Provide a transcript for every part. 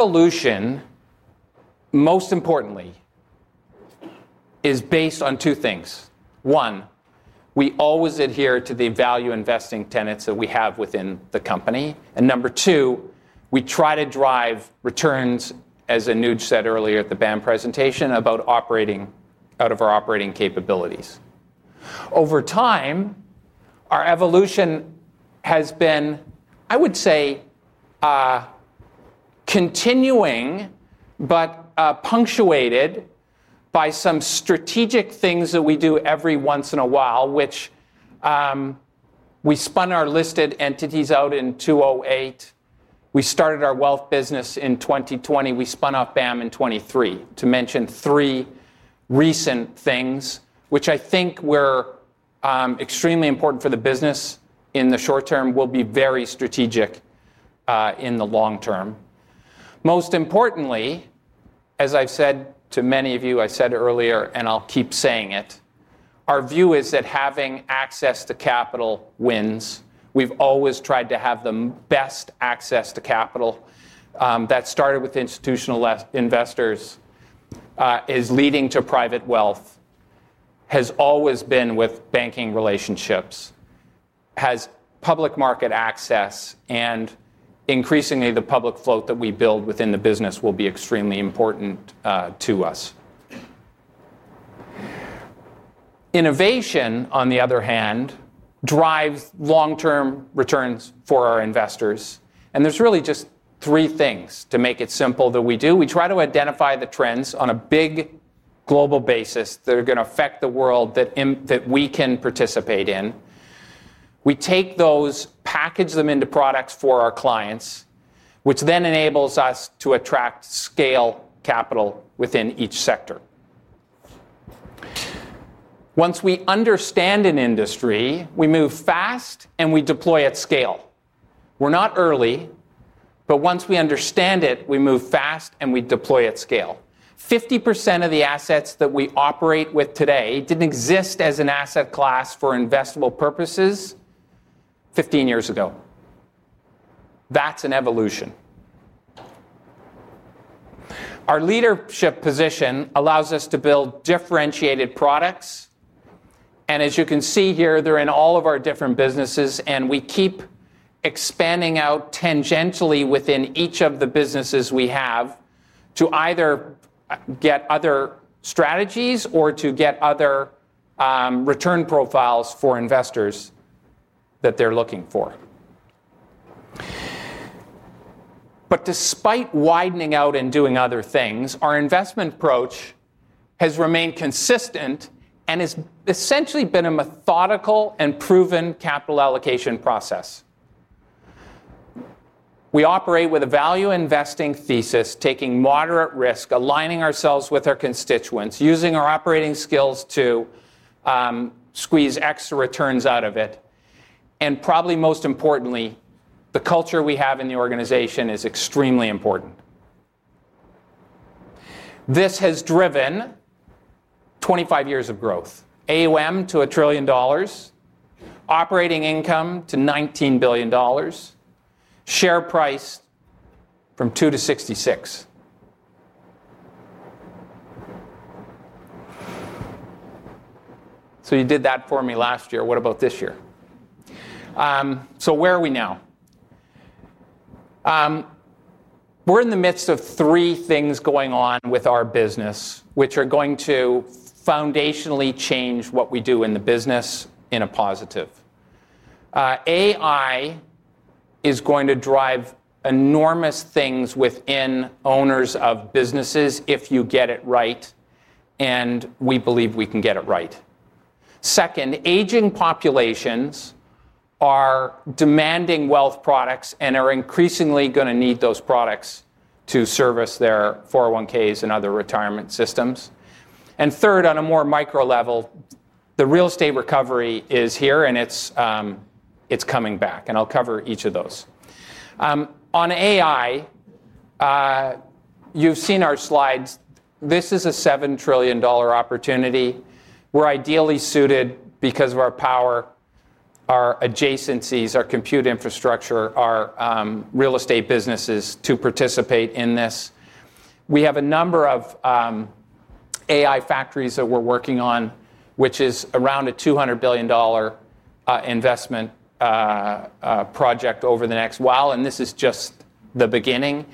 Evolution, most importantly, is based on two things. One, we always adhere to the value investing tenets that we have within the company. Number two, we try to drive returns, as Anuj said earlier at the band presentation about operating out of our operating capabilities. Over time, our evolution has been, I would say, continuing but punctuated by some strategic things that we do every once in a while, which we spun our listed entities out in 2008. We started our wealth business in 2020. We spun off BAM in 2023, to mention three recent things, which I think were extremely important for the business in the short term and will be very strategic in the long-term. Most importantly, as I've said to many of you, I've said earlier, and I'll keep saying it, our view is that having access to capital wins. We've always tried to have the best access to capital. That started with institutional investors, is leading to private wealth, has always been with banking relationships, has public market access, and increasingly the public float that we build within the business will be extremely important to us. Innovation, on the other hand, drives long-term returns for our investors. There are really just three things, to make it simple, that we do. We try to identify the trends on a big global basis that are going to affect the world that we can participate in. We take those, package them into products for our clients, which then enables us to attract scale capital within each sector. Once we understand an industry, we move fast and we deploy at scale. We're not early, but once we understand it, we move fast and we deploy at scale. 50% of the assets that we operate with today didn't exist as an asset class for investable purposes 15 years ago. That's an evolution. Our leadership position allows us to build differentiated products. As you can see here, they're in all of our different businesses, and we keep expanding out tangentially within each of the businesses we have to either get other strategies or to get other return profiles for investors that they're looking for. Despite widening out and doing other things, our investment approach has remained consistent and has essentially been a methodical and proven capital allocation process. We operate with a value investing thesis, taking moderate risk, aligning ourselves with our constituents, using our operating skills to squeeze extra returns out of it. Probably most importantly, the culture we have in the organization is extremely important. This has driven 25 years of growth, AUM to 1 trillion dollars, operating income to 19 billion dollars, share price from 2 to 66. You did that for me last year. What about this year? Where are we now? We're in the midst of three things going on with our business, which are going to foundationally change what we do in the business in a positive way. AI is going to drive enormous things within owners of businesses if you get it right, and we believe we can get it right. Second, aging populations are demanding wealth products and are increasingly going to need those products to service their 401(k)s and other retirement systems. Third, on a more micro level, the real estate recovery is here, and it's coming back. I'll cover each of those. On AI, you've seen our slides. This is a 7 trillion dollar opportunity. We're ideally suited because of our power, our adjacencies, our compute infrastructure, our real estate businesses to participate in this. We have a number of AI factories that we're working on, which is around a 200 billion dollar investment project over the next while. This is just the beginning.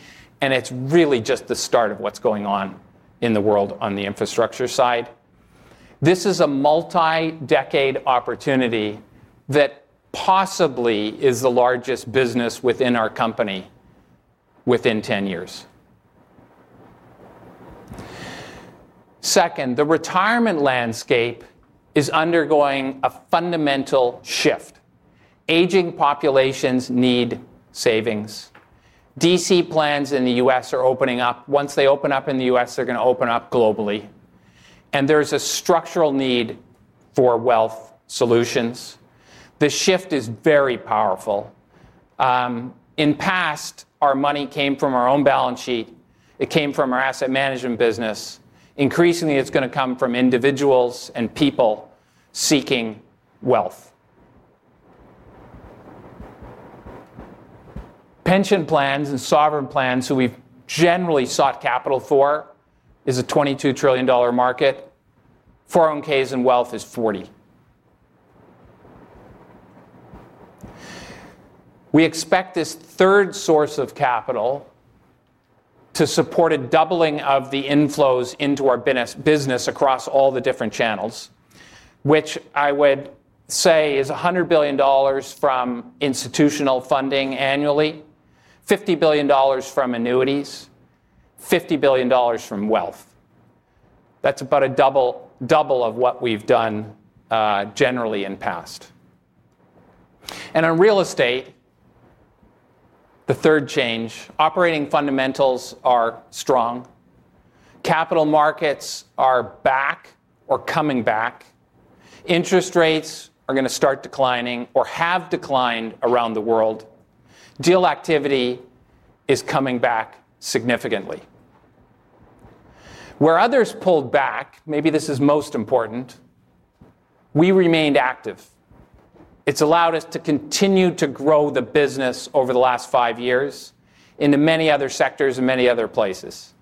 It's really just the start of what's going on in the world on the infrastructure side. This is a multi-decade opportunity that possibly is the largest business within our company within 10 years. Second, the retirement landscape is undergoing a fundamental shift. Aging populations need savings. DC plans in the U.S. are opening up. Once they open up in the U.S., they're going to open up globally. There's a structural need for wealth solutions. The shift is very powerful. In the past, our money came from our own balance sheet. It came from our asset management business. Increasingly, it's going to come from individuals and people seeking wealth. Pension plans and sovereign plans, who we've generally sought capital for, is a 22 trillion dollar market. 401(k)s and wealth is 40 trillion. We expect this third source of capital to support a doubling of the inflows into our business across all the different channels, which I would say is 100 billion dollars from institutional funding annually, 50 billion dollars from annuities, 50 billion dollars from wealth. That's about a double of what we've done generally in the past. On real estate, the third change, operating fundamentals are strong. Capital markets are back or coming back. Interest rates are going to start declining or have declined around the world. Deal activity is coming back significantly. Where others pulled back, maybe this is most important, we remained active. It's allowed us to continue to grow the business over the last five years into many other sectors and many other places.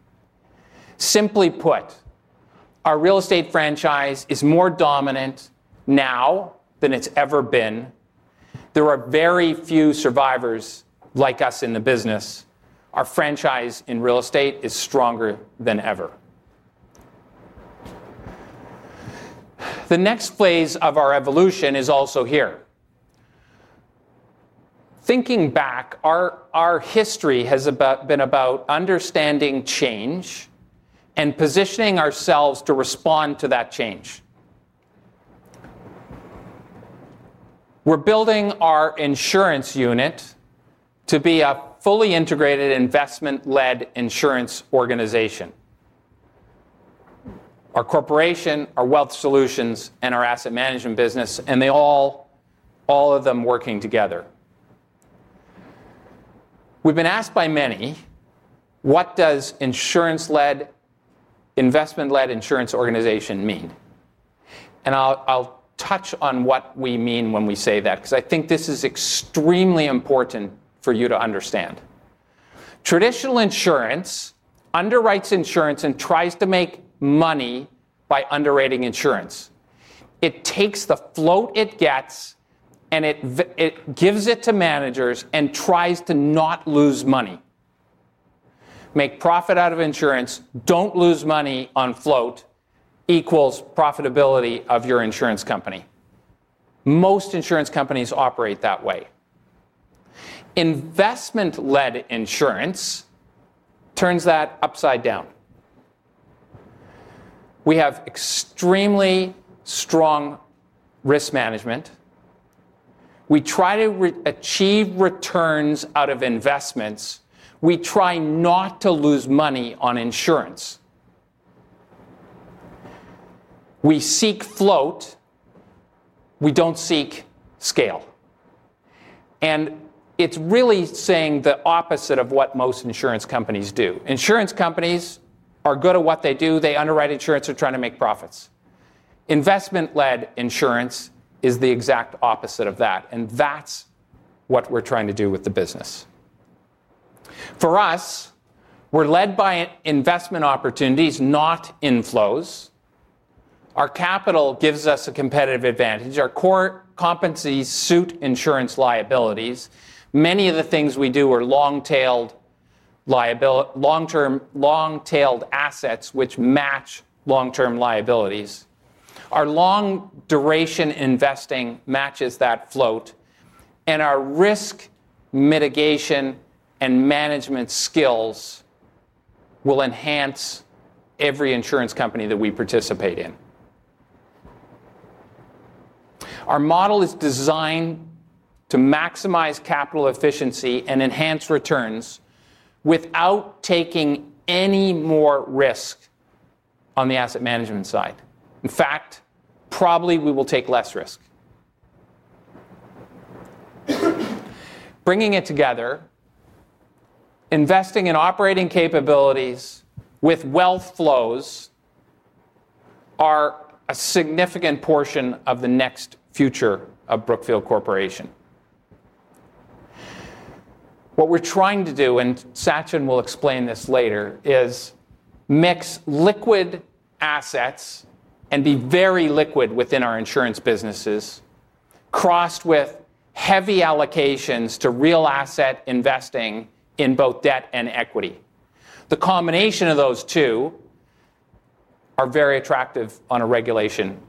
Simply put, our real estate franchise is more dominant now than it's ever been. There are very few survivors like us in the business. Our franchise in real estate is stronger than ever. The next phase of our evolution is also here. Thinking back, our history has been about understanding change and positioning ourselves to respond to that change. We're building our insurance unit to be a fully integrated investment-led insurance organization. Our corporation, our wealth solutions, and our asset management business, and they all, all of them working together. We've been asked by many, what does insurance-led, investment-led insurance organization mean? I'll touch on what we mean when we say that, because I think this is extremely important for you to understand. Traditional insurance underwrites insurance and tries to make money by underwriting insurance. It takes the float it gets and gives it to managers and tries to not lose money. Make profit out of insurance, don't lose money on float equals profitability of your insurance company. Most insurance companies operate that way. Investment-led insurance turns that upside down. We have extremely strong risk management. We try to achieve returns out of investments. We try not to lose money on insurance. We seek float. We don't seek scale. It's really saying the opposite of what most insurance companies do. Insurance companies are good at what they do. They underwrite insurance. They're trying to make profits. Investment-led insurance is the exact opposite of that. That's what we're trying to do with the business. For us, we're led by investment opportunities, not inflows. Our capital gives us a competitive advantage. Our core competencies suit insurance liabilities. Many of the things we do are long-term assets which match long-term liabilities. Our long-duration investing matches that float. Our risk mitigation and management skills will enhance every insurance company that we participate in. Our model is designed to maximize capital efficiency and enhance returns without taking any more risk on the asset management side. In fact, probably we will take less risk. Bringing it together, investing in operating capabilities with wealth flows are a significant portion of the next future of Brookfield Corporation. What we're trying to do, and Sachin will explain this later, is mix liquid assets and be very liquid within our insurance businesses, crossed with heavy allocations to real asset investing in both debt and equity. The combination of those two are very attractive on a regulation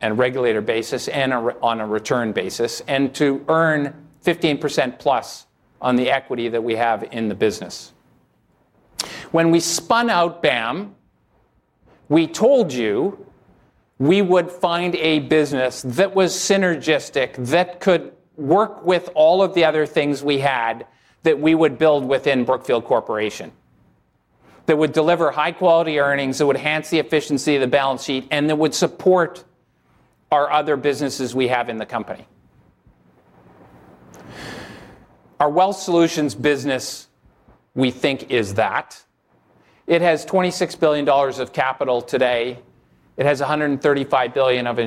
and regulator basis and on a return basis, and to earn 15%+ on the equity that we have in the business. When we spun out BAM, we told you we would find a business that was synergistic, that could work with all of the other things we had that we would build within Brookfield Corporation, that would deliver high-quality earnings, that would enhance the efficiency of the balance sheet, and that would support our other businesses we have in the company. Our wealth solutions business, we think, is that. It has 26 billion dollars of capital today. It has 135 billion of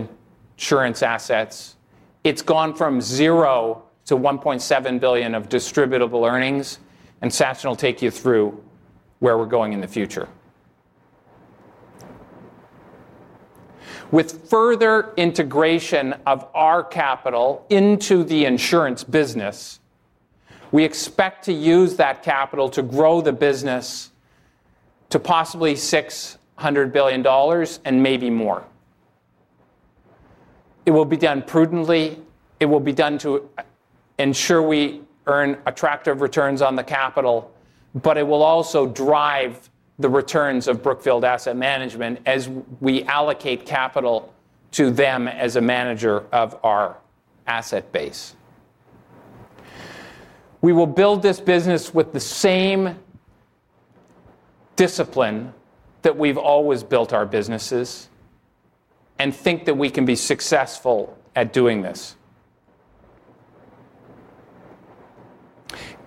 insurance assets. It's gone from 0 to 1.7 billion of distributable earnings. Sachin will take you through where we're going in the future. With further integration of our capital into the insurance business, we expect to use that capital to grow the business to possibly 600 billion dollars and maybe more. It will be done prudently. It will be done to ensure we earn attractive returns on the capital, but it will also drive the returns of Brookfield Asset Management as we allocate capital to them as a manager of our asset base. We will build this business with the same discipline that we've always built our businesses and think that we can be successful at doing this.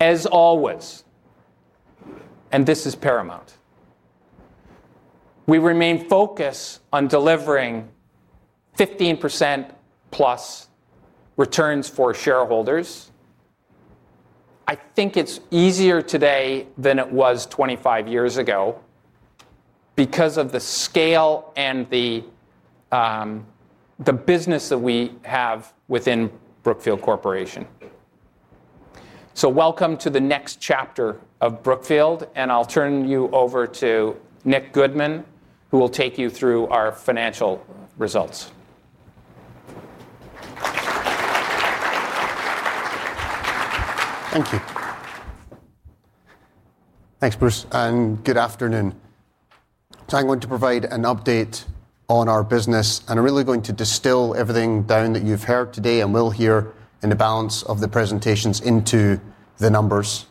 As always, and this is paramount, we remain focused on delivering 15%+ returns for shareholders. I think it's easier today than it was 25 years ago because of the scale and the business that we have within Brookfield Corporation. Welcome to the next chapter of Brookfield, and I'll turn you over to Nick Goodman, who will take you through our financial results. Thank you. Thanks, Bruce, and good afternoon. I'm going to provide an update on our business, and I'm really going to distill everything down that you've heard today and will hear in the balance of the presentations into the numbers.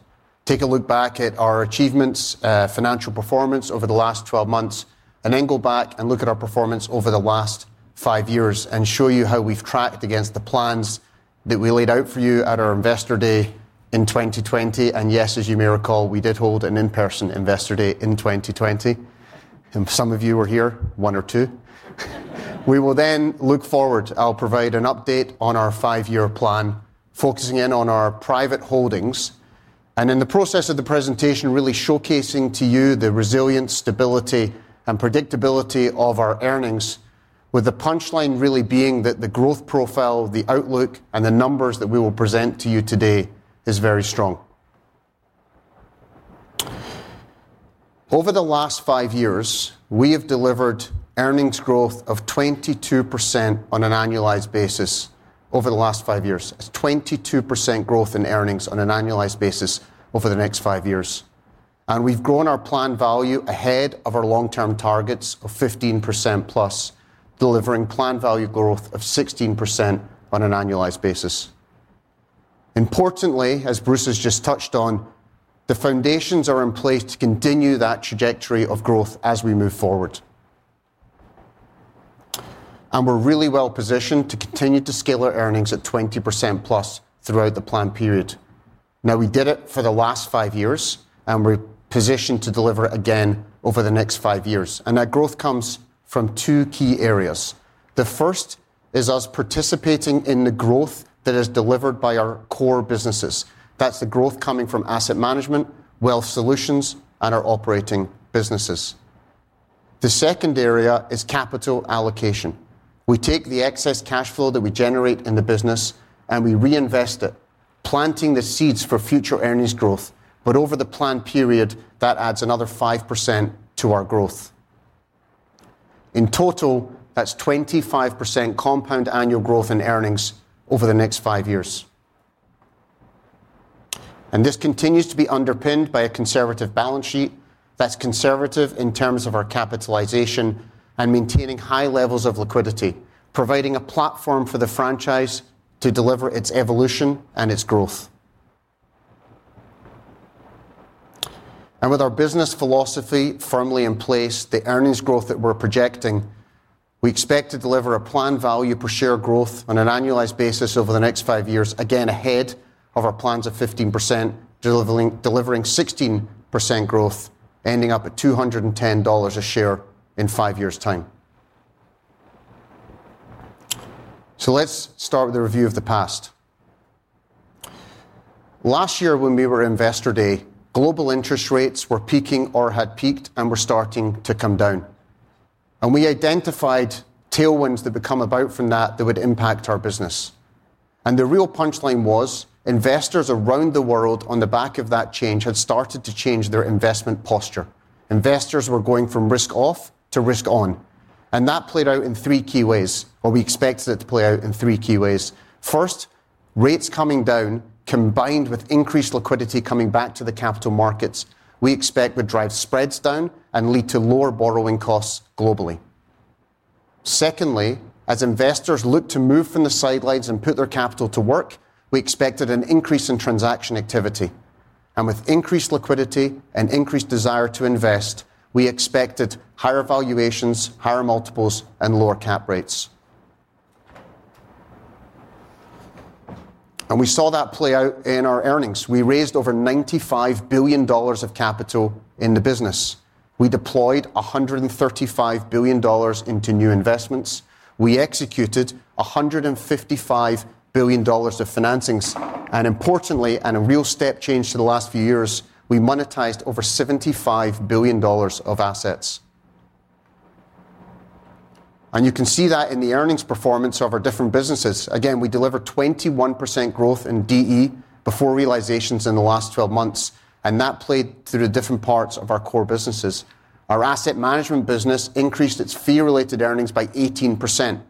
Take a look back at our achievements, financial performance over the last 12 months, and then go back and look at our performance over the last five years and show you how we've tracked against the plans that we laid out for you at our Investor Day in 2020. As you may recall, we did hold an in-person Investor Day in 2020. Some of you were here, one or two. We will then look forward. I'll provide an update on our five-year plan, focusing in on our private holdings, and in the process of the presentation, really showcasing to you the resilience, stability, and predictability of our earnings, with the punchline really being that the growth profile, the outlook, and the numbers that we will present to you today are very strong. Over the last five years, we have delivered earnings growth of 22% on an annualized basis over the last five years. That's 22% growth in earnings on an annualized basis over the next five years. We've grown our planned value ahead of our long-term targets of 15%+, delivering planned value growth of 16% on an annualized basis. Importantly, as Bruce has just touched on, the foundations are in place to continue that trajectory of growth as we move forward. We're really well positioned to continue to scale our earnings at 20%+ throughout the planned period. We did it for the last five years, and we're positioned to deliver again over the next five years. That growth comes from two key areas. The first is us participating in the growth that is delivered by our core businesses. That's the growth coming from asset management, wealth solutions, and our operating businesses. The second area is capital allocation. We take the excess cash flow that we generate in the business, and we reinvest it, planting the seeds for future earnings growth. Over the planned period, that adds another 5% to our growth. In total, that's 25% compound annual growth in earnings over the next five years. This continues to be underpinned by a conservative balance sheet. That's conservative in terms of our capitalization and maintaining high levels of liquidity, providing a platform for the franchise to deliver its evolution and its growth. With our business philosophy firmly in place, the earnings growth that we're projecting, we expect to deliver a planned value per share growth on an annualized basis over the next five years, again ahead of our plans of 15%, delivering 16% growth, ending up at 210 dollars a share in five years' time. Let's start with a review of the past. Last year, when we were at Investor Day, global interest rates were peaking or had peaked and were starting to come down. We identified tailwinds that would come about from that which would impact our business. The real punchline was investors around the world on the back of that change had started to change their investment posture. Investors were going from risk off to risk on. That played out in three key ways, or we expected it to play out in three key ways. First, rates coming down combined with increased liquidity coming back to the capital markets, we expect would drive spreads down and lead to lower borrowing costs globally. Secondly, as investors look to move from the sidelines and put their capital to work, we expected an increase in transaction activity. With increased liquidity and increased desire to invest, we expected higher valuations, higher multiples, and lower cap rates. We saw that play out in our earnings. We raised over 95 billion dollars of capital in the business. We deployed 135 billion dollars into new investments. We executed 155 billion dollars of financings. Importantly, and a real step change to the last few years, we monetized over 75 billion dollars of assets. You can see that in the earnings performance of our different businesses. We delivered 21% growth in DE before realizations in the last 12 months. That played through different parts of our core businesses. Our asset management business increased its fee-related earnings by 18%.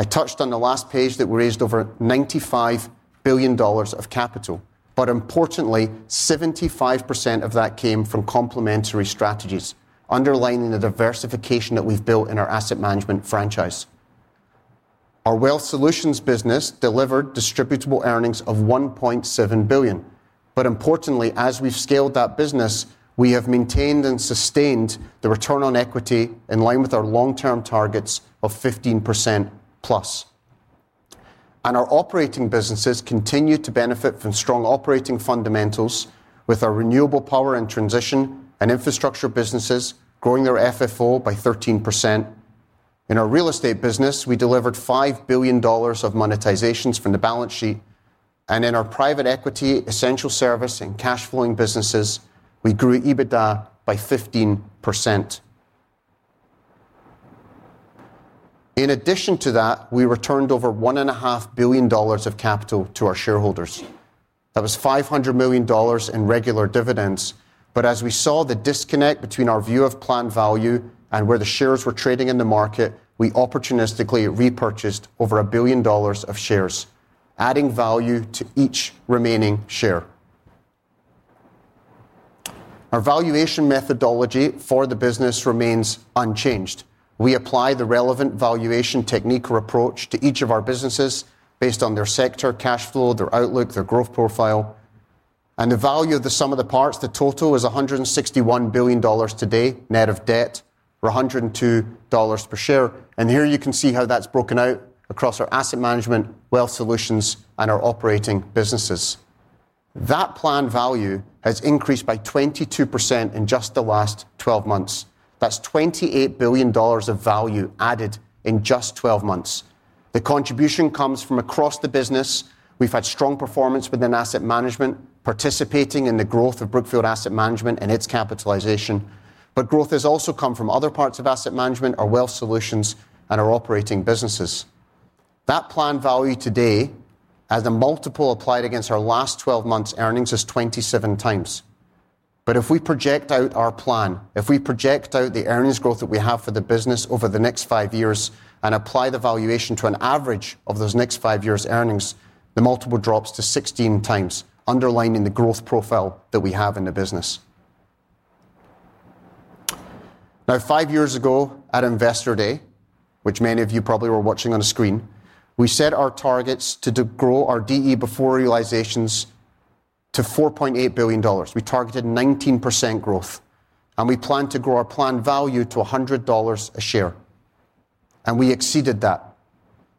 I touched on the last page that we raised over 95 billion dollars of capital. Importantly, 75% of that came from complementary strategies, underlining the diversification that we've built in our asset management franchise. Our wealth solutions business delivered distributable earnings of 1.7 billion. Importantly, as we've scaled that business, we have maintained and sustained the return on equity in line with our long-term targets of 15%+. Our operating businesses continue to benefit from strong operating fundamentals with our renewable power and transition and infrastructure businesses growing their FFO by 13%. In our real estate business, we delivered 5 billion dollars of monetizations from the balance sheet. In our private equity, essential service, and cash flowing businesses, we grew EBITDA by 15%. In addition to that, we returned over 1.5 billion dollars of capital to our shareholders. That was 500 million dollars in regular dividends. As we saw the disconnect between our view of planned value and where the shares were trading in the market, we opportunistically repurchased over 1 billion dollars of shares, adding value to each remaining share. Our valuation methodology for the business remains unchanged. We apply the relevant valuation technique or approach to each of our businesses based on their sector, cash flow, their outlook, and their growth profile. The value of the sum of the parts, the total, is 161 billion dollars today, net of debt, or 102 dollars per share. Here you can see how that's broken out across our asset management, wealth solutions, and our operating businesses. That planned value has increased by 22% in just the last 12 months. That's 28 billion dollars of value added in just 12 months. The contribution comes from across the business. We've had strong performance within asset management, participating in the growth of Brookfield Asset Management and its capitalization. Growth has also come from other parts of asset management, our wealth solutions, and our operating businesses. That planned value today, as the multiple applied against our last 12 months' earnings, is 27x. If we project out our plan, if we project out the earnings growth that we have for the business over the next five years and apply the valuation to an average of those next five years' earnings, the multiple drops to 16x, underlining the growth profile that we have in the business. Now, five years ago at Investor Day, which many of you probably were watching on a screen, we set our targets to grow our DE before realizations to CAD 4.8 billion. We targeted 19% growth. We planned to grow our planned value to 100 dollars a share. We exceeded that.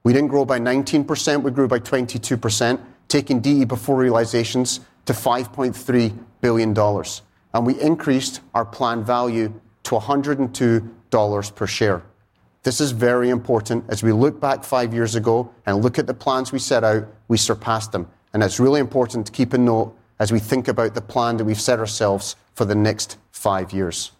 We didn't grow by 19%. We grew by 22%, taking DE before realizations to 5.3 billion dollars. We increased our planned value to 102 dollars per share. This is very important. As we look back five years ago and look at the plans we set out, we surpassed them. It's really important to keep a note as we think about the plan that we've set ourselves for the next five years.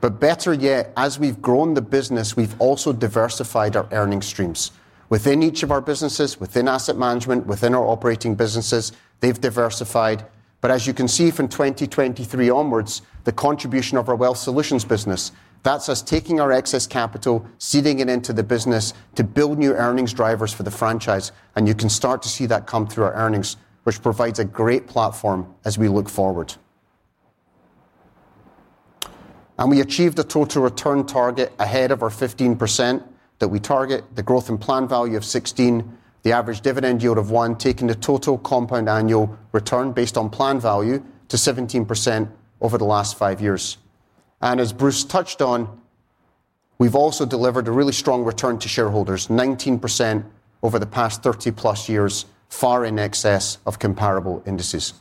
Better yet, as we've grown the business, we've also diversified our earning streams. Within each of our businesses, within asset management, within our operating businesses, they've diversified. As you can see from 2023 onwards, the contribution of our wealth solutions business, that's us taking our excess capital, seeding it into the business to build new earnings drivers for the franchise. You can start to see that come through our earnings, which provides a great platform as we look forward. We achieved the total return target ahead of our 15% that we target, the growth in planned value of 16%, the average dividend yield of 1%, taking the total compound annual return based on planned value to 17% over the last five years. As Bruce Flatt touched on, we've also delivered a really strong return to shareholders, 19% over the past 30+ years, far in excess of comparable indices.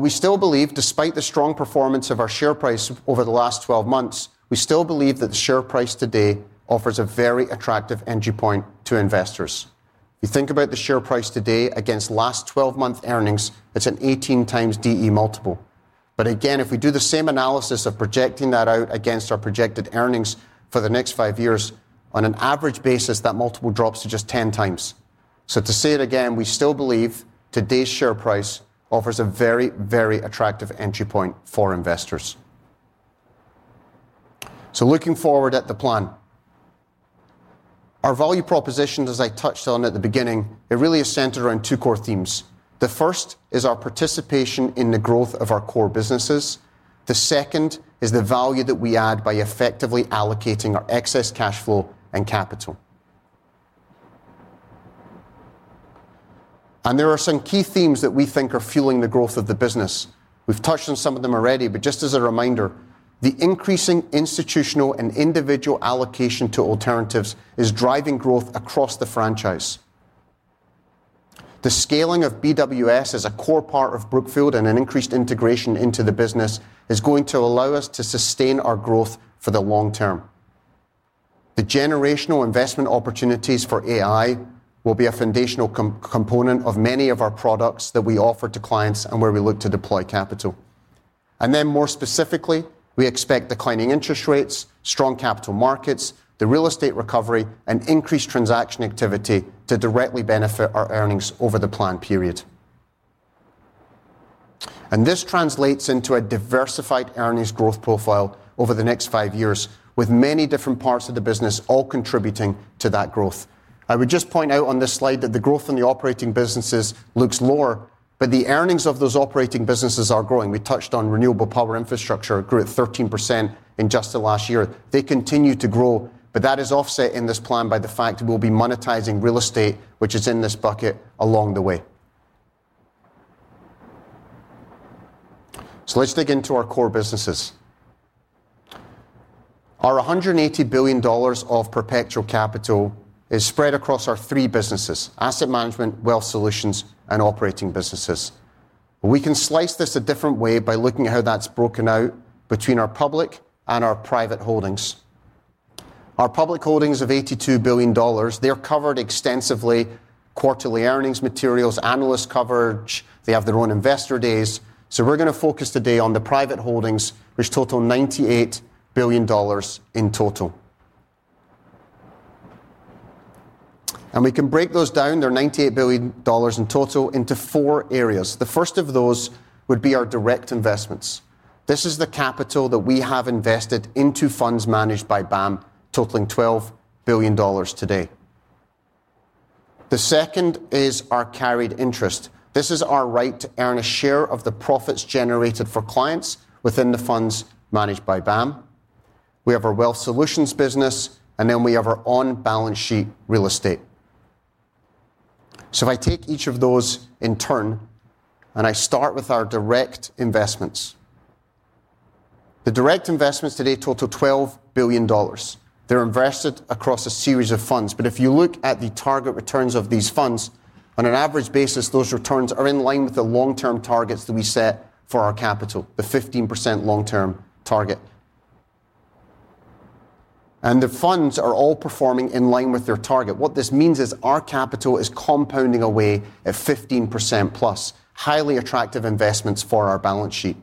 We still believe, despite the strong performance of our share price over the last 12 months, that the share price today offers a very attractive entry point to investors. You think about the share price today against last 12-month earnings, it's an 18x DE multiple. If we do the same analysis of projecting that out against our projected earnings for the next five years, on an average basis, that multiple drops to just 10x. To say it again, we still believe today's share price offers a very, very attractive entry point for investors. Looking forward at the plan, our value propositions, as I touched on at the beginning, really are centered around two core themes. The first is our participation in the growth of our core businesses. The second is the value that we add by effectively allocating our excess cash flow and capital. There are some key themes that we think are fueling the growth of the business. We've touched on some of them already, but just as a reminder, the increasing institutional and individual allocation to alternatives is driving growth across the franchise. The scaling of BWS as a core part of Brookfield and an increased integration into the business is going to allow us to sustain our growth for the long term. The generational investment opportunities for AI will be a foundational component of many of our products that we offer to clients and where we look to deploy capital. More specifically, we expect declining interest rates, strong capital markets, the real estate recovery, and increased transaction activity to directly benefit our earnings over the planned period. This translates into a diversified earnings growth profile over the next five years, with many different parts of the business all contributing to that growth. I would just point out on this slide that the growth in the operating businesses looks lower, but the earnings of those operating businesses are growing. We touched on renewable power infrastructure grew at 13% in just the last year. They continue to grow, but that is offset in this plan by the fact that we'll be monetizing real estate, which is in this bucket along the way. Let's dig into our core businesses. Our 180 billion dollars of perpetual capital is spread across our three businesses: asset management, wealth solutions, and operating businesses. We can slice this a different way by looking at how that's broken out between our public and our private holdings. Our public holdings of 82 billion dollars, they're covered extensively: quarterly earnings materials, analyst coverage. They have their own Investor Days. We're going to focus today on the private holdings, which total 98 billion dollars in total. We can break those down, their 98 billion dollars in total, into four areas. The first of those would be our direct investments. This is the capital that we have invested into funds managed by BAM, totaling 12 billion dollars today. The second is our carried interest. This is our right to earn a share of the profits generated for clients within the funds managed by BAM. We have our wealth solutions business, and then we have our on-balance-sheet real estate. If I take each of those in turn and I start with our direct investments, the direct investments today total 12 billion dollars. They're invested across a series of funds. If you look at the target returns of these funds, on an average basis, those returns are in line with the long-term targets that we set for our capital, the 15% long-term target. The funds are all performing in line with their target. What this means is our capital is compounding away at 15% plus, highly attractive investments for our balance sheet.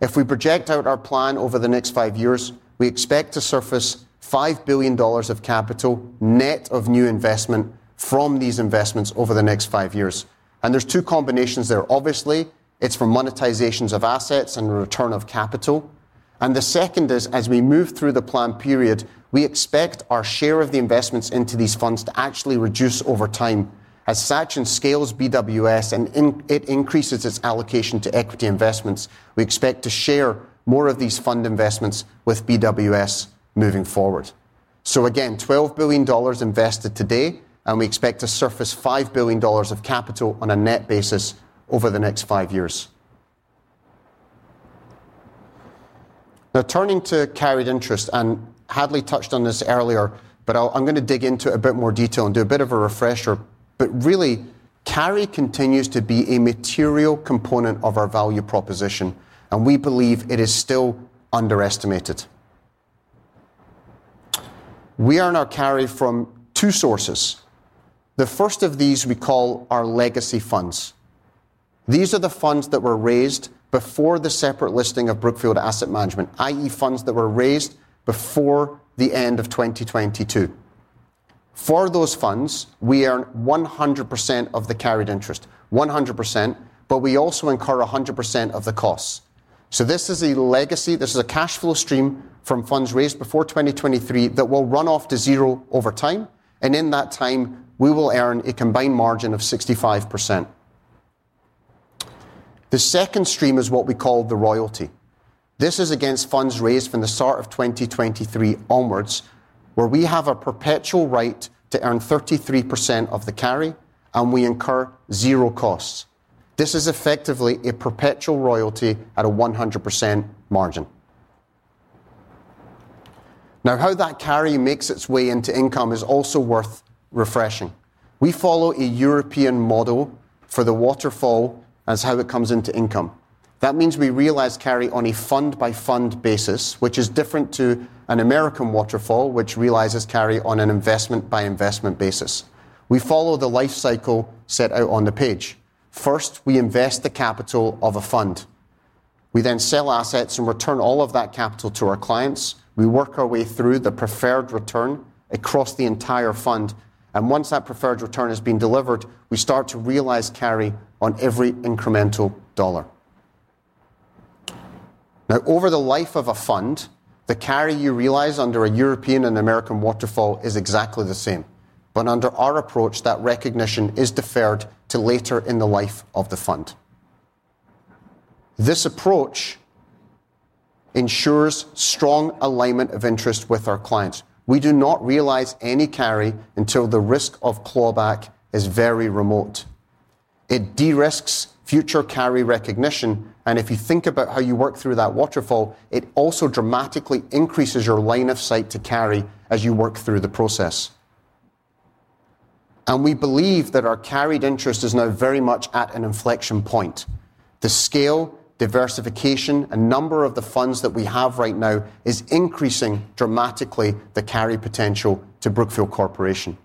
If we project out our plan over the next five years, we expect to surface 5 billion dollars of capital net of new investment from these investments over the next five years. There's two combinations there. Obviously, it's for monetizations of assets and the return of capital. The second is, as we move through the planned period, we expect our share of the investments into these funds to actually reduce over time. As Sachin scales BWS and it increases its allocation to equity investments, we expect to share more of these fund investments with BWS moving forward. 12 billion dollars invested today, and we expect to surface 5 billion dollars of capital on a net basis over the next five years. Now, turning to carried interest, Hadley touched on this earlier, but I'm going to dig into it in a bit more detail and do a bit of a refresher. Carry continues to be a material component of our value proposition, and we believe it is still underestimated. We earn our carry from two sources. The first of these we call our legacy funds. These are the funds that were raised before the separate listing of Brookfield Asset Management, i.e., funds that were raised before the end of 2022. For those funds, we earn 100% of the carried interest, 100%, but we also incur 100% of the costs. This is a legacy. This is a cash flow stream from funds raised before 2023 that will run off to zero over time. In that time, we will earn a combined margin of 65%. The second stream is what we call the royalty. This is against funds raised from the start of 2023 onwards, where we have a perpetual right to earn 33% of the carry, and we incur zero costs. This is effectively a perpetual royalty at a 100% margin. How that carry makes its way into income is also worth refreshing. We follow a European model for the waterfall as how it comes into income. That means we realize carry on a fund-by-fund basis, which is different from an American waterfall, which realizes carry on an investment-by-investment basis. We follow the life cycle set out on the page. First, we invest the capital of a fund. We then sell assets and return all of that capital to our clients. We work our way through the preferred return across the entire fund. Once that preferred return has been delivered, we start to realize carry on every incremental dollar. Over the life of a fund, the carry you realize under a European and American waterfall is exactly the same. Under our approach, that recognition is deferred to later in the life of the fund. This approach ensures strong alignment of interest with our clients. We do not realize any carry until the risk of clawback is very remote. It de-risks future carry recognition. If you think about how you work through that waterfall, it also dramatically increases your line of sight to carry as you work through the process. We believe that our carried interest is now very much at an inflection point. The scale, diversification, and number of the funds that we have right now is increasing dramatically the carry potential to Brookfield Corporation.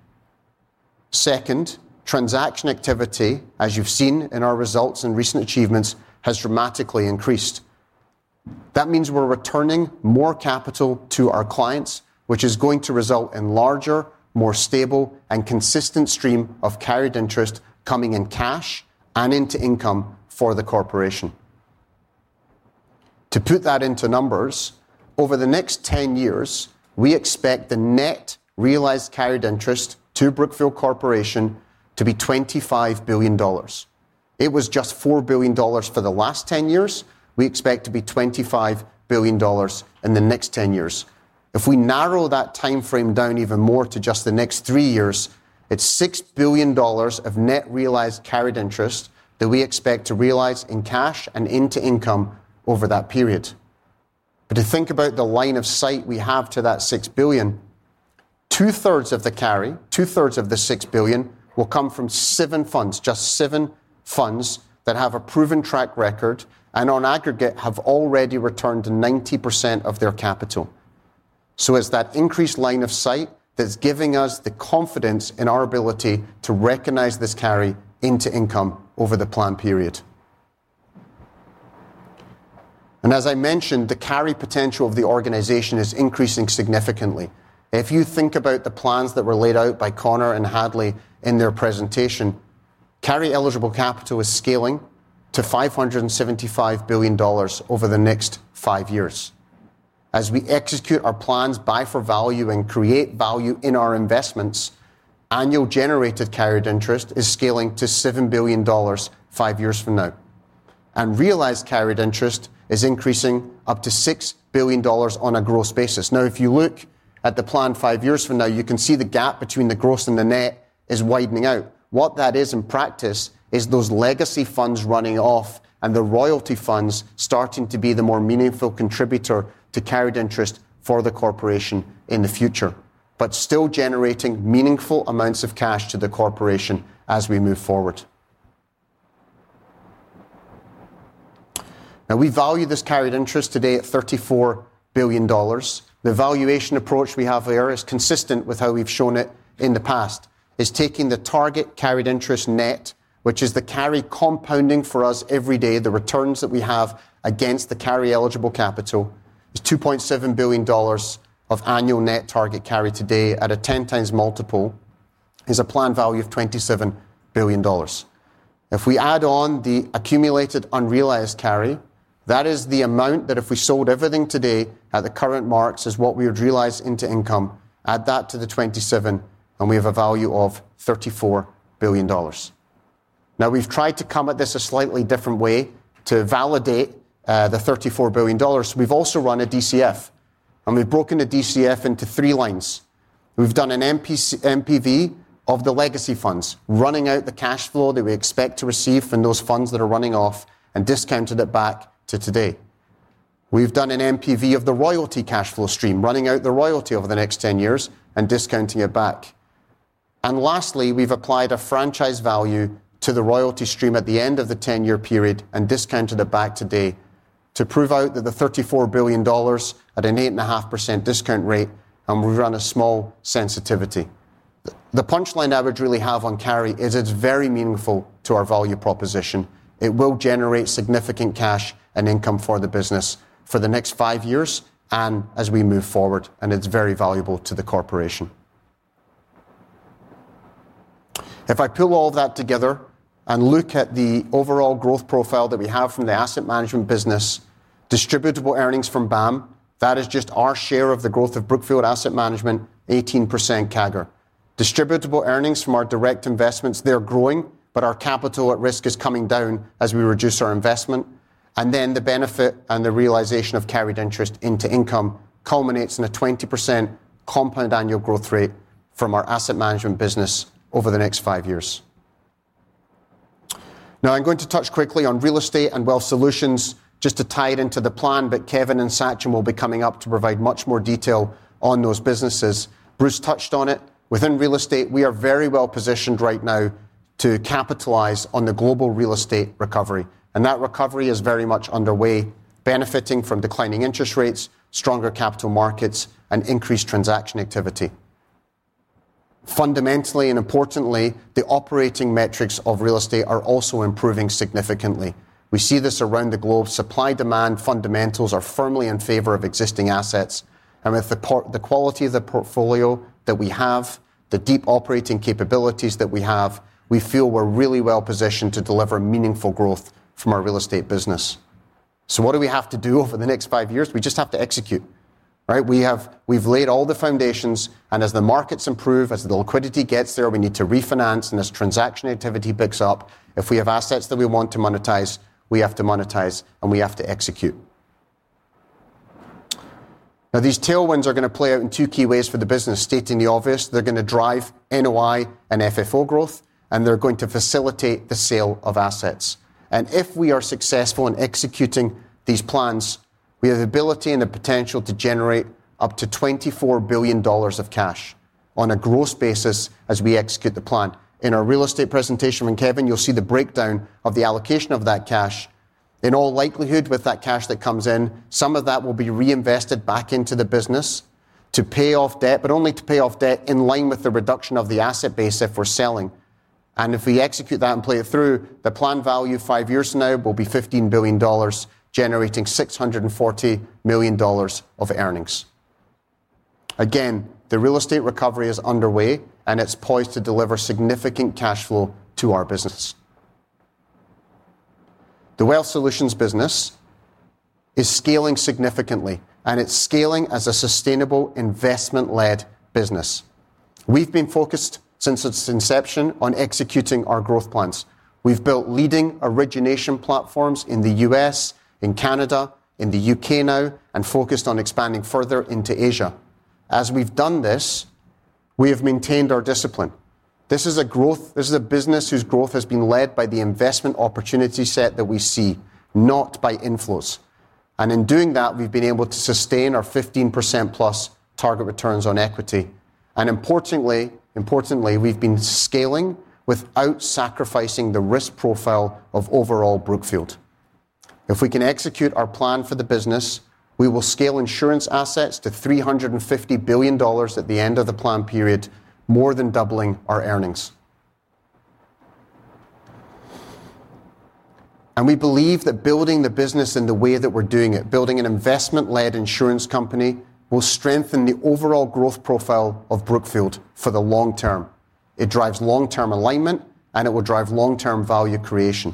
Second, transaction activity, as you've seen in our results and recent achievements, has dramatically increased. That means we're returning more capital to our clients, which is going to result in a larger, more stable, and consistent stream of carried interest coming in cash and into income for the corporation. To put that into numbers, over the next 10 years, we expect the net realized carried interest to Brookfield Corporation to be 25 billion dollars. It was just 4 billion dollars for the last 10 years. We expect it to be 25 billion dollars in the next 10 years. If we narrow that time frame down even more to just the next three years, it's 6 billion dollars of net realized carried interest that we expect to realize in cash and into income over that period. To think about the line of sight we have to that 6 billion, 2/3 of the carry, 2/3 of the 6 billion will come from seven funds, just seven funds that have a proven track record and on aggregate have already returned 90% of their capital. It's that increased line of sight that's giving us the confidence in our ability to recognize this carry into income over the planned period. As I mentioned, the carry potential of the organization is increasing significantly. If you think about the plans that were laid out by Connor and Hadley in their presentation, carry eligible capital is scaling to 575 billion dollars over the next five years. As we execute our plans, buy for value, and create value in our investments, annual generated carried interest is scaling to 7 billion dollars five years from now. Realized carried interest is increasing up to 6 billion dollars on a gross basis. If you look at the plan five years from now, you can see the gap between the gross and the net is widening out. What that is in practice is those legacy funds running off and the royalty funds starting to be the more meaningful contributor to carried interest for the corporation in the future, but still generating meaningful amounts of cash to the corporation as we move forward. We value this carried interest today at 34 billion dollars. The valuation approach we have here is consistent with how we've shown it in the past. It's taking the target carried interest net, which is the carry compounding for us every day, the returns that we have against the carry eligible capital. It's 2.7 billion dollars of annual net target carry today at a 10x multiple. It's a planned value of 27 billion dollars. If we add on the accumulated unrealized carry, that is the amount that if we sold everything today at the current marks is what we would realize into income, add that to the 27 billion, and we have a value of 34 billion dollars. Now, we've tried to come at this a slightly different way to validate the 34 billion dollars. We've also run a DCF. We've broken the DCF into three lines. We've done an NPV of the legacy funds, running out the cash flow that we expect to receive from those funds that are running off and discounted it back to today. We've done an NPV of the royalty cash flow stream, running out the royalty over the next 10 years, and discounting it back. Lastly, we've applied a franchise value to the royalty stream at the end of the 10-year period and discounted it back today to prove out that the 34 billion dollars at an 8.5% discount rate, and we run a small sensitivity. The punchline I would really have on carry is it's very meaningful to our value proposition. It will generate significant cash and income for the business for the next five years as we move forward, and it's very valuable to the corporation. If I pull all that together and look at the overall growth profile that we have from the asset management business, distributable earnings from BAM, that is just our share of the growth of Brookfield Asset Management, 18% CAGR. Distributable earnings from our direct investments, they're growing, but our capital at risk is coming down as we reduce our investment. The benefit and the realization of carried interest into income culminates in a 20% compound annual growth rate from our asset management business over the next five years. Now, I'm going to touch quickly on real estate and wealth solutions just to tie it into the plan, but Kevin and Sachin will be coming up to provide much more detail on those businesses. Bruce touched on it. Within real estate, we are very well positioned right now to capitalize on the global real estate recovery. That recovery is very much underway, benefiting from declining interest rates, stronger capital markets, and increased transaction activity. Fundamentally and importantly, the operating metrics of real estate are also improving significantly. We see this around the globe. Supply-demand fundamentals are firmly in favor of existing assets. With the quality of the portfolio that we have and the deep operating capabilities that we have, we feel we're really well positioned to deliver meaningful growth from our real estate business. What do we have to do over the next five years? We just have to execute. We've laid all the foundations, and as the markets improve, as the liquidity gets there, we need to refinance. As transaction activity picks up, if we have assets that we want to monetize, we have to monetize, and we have to execute. These tailwinds are going to play out in two key ways for the business, stating the obvious. They're going to drive NOI and FFO growth, and they're going to facilitate the sale of assets. If we are successful in executing these plans, we have the ability and the potential to generate up to 24 billion dollars of cash on a gross basis as we execute the plan. In our real estate presentation from Kevin, you'll see the breakdown of the allocation of that cash. In all likelihood, with that cash that comes in, some of that will be reinvested back into the business to pay off debt, but only to pay off debt in line with the reduction of the asset base if we're selling. If we execute that and play it through, the planned value five years from now will be 15 billion dollars, generating 640 million dollars of earnings. Again, the real estate recovery is underway, and it's poised to deliver significant cash flow to our business. The wealth solutions business is scaling significantly, and it's scaling as a sustainable investment-led business. We've been focused since its inception on executing our growth plans. We've built leading origination platforms in the U.S., in Canada, in the U.K. now, and focused on expanding further into Asia. As we've done this, we have maintained our discipline. This is a business whose growth has been led by the investment opportunity set that we see, not by inflows. In doing that, we've been able to sustain our 15%+ target returns on equity. Importantly, we've been scaling without sacrificing the risk profile of overall Brookfield. If we can execute our plan for the business, we will scale insurance assets to 350 billion dollars at the end of the planned period, more than doubling our earnings. We believe that building the business in the way that we're doing it, building an investment-led insurance company, will strengthen the overall growth profile of Brookfield for the long-term. It drives long-term alignment, and it will drive long-term value creation.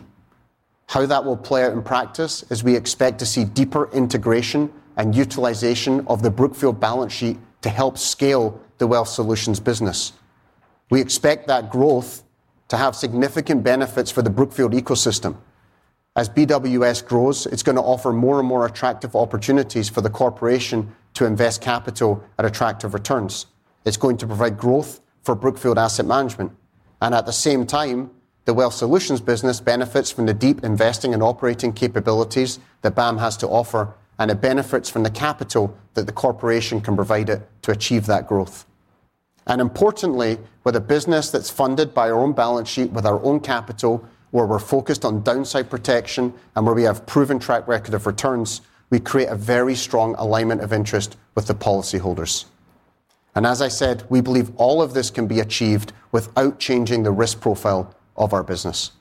How that will play out in practice is we expect to see deeper integration and utilization of the Brookfield balance sheet to help scale the wealth solutions business. We expect that growth to have significant benefits for the Brookfield ecosystem. As BWS grows, it's going to offer more and more attractive opportunities for the corporation to invest capital at attractive returns. It's going to provide growth for Brookfield Asset Management. At the same time, the wealth solutions business benefits from the deep investing and operating capabilities that BAM has to offer, and it benefits from the capital that the corporation can provide it to achieve that growth. Importantly, with a business that's funded by our own balance sheet with our own capital, where we're focused on downside protection and where we have a proven track record of returns, we create a very strong alignment of interest with the policyholders. As I said, we believe all of this can be achieved without changing the risk profile of our business.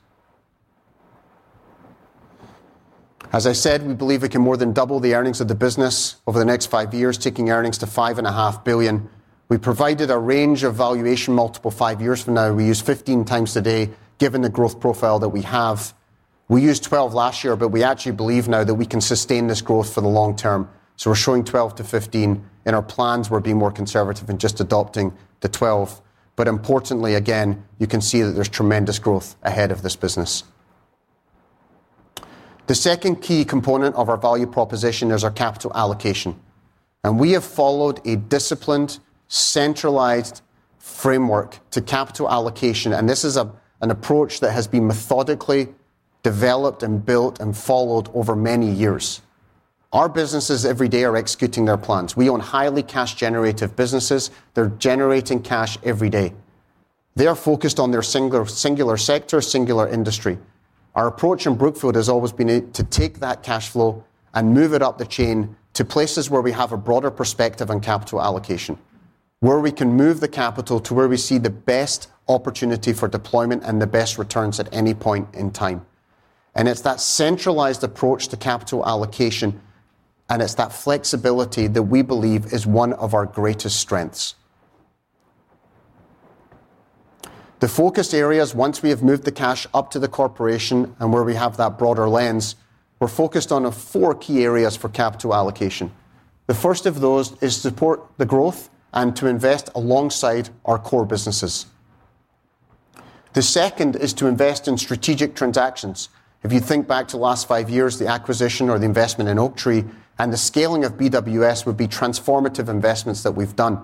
We believe we can more than double the earnings of the business over the next five years, taking earnings to 5.5 billion. We provided a range of valuation multiple five years from now. We use 15x today, given the growth profile that we have. We used 12x last year, but we actually believe now that we can sustain this growth for the long term. We are showing 12x-15x. In our plans, we're being more conservative and just adopting the 12x. Importantly, you can see that there's tremendous growth ahead of this business. The second key component of our value proposition is our capital allocation. We have followed a disciplined, centralized framework to capital allocation. This is an approach that has been methodically developed and built and followed over many years. Our businesses every day are executing their plans. We own highly cash-generative businesses. They're generating cash every day. They are focused on their singular sector, singular industry. Our approach in Brookfield has always been to take that cash flow and move it up the chain to places where we have a broader perspective on capital allocation, where we can move the capital to where we see the best opportunity for deployment and the best returns at any point in time. It is that centralized approach to capital allocation, and it is that flexibility that we believe is one of our greatest strengths. The focus areas, once we have moved the cash up to the corporation and where we have that broader lens, we're focused on four key areas for capital allocation. The first of those is to support the growth and to invest alongside our core businesses. The second is to invest in strategic transactions. If you think back to the last five years, the acquisition or the investment in Oaktree and the scaling of BWS would be transformative investments that we've done.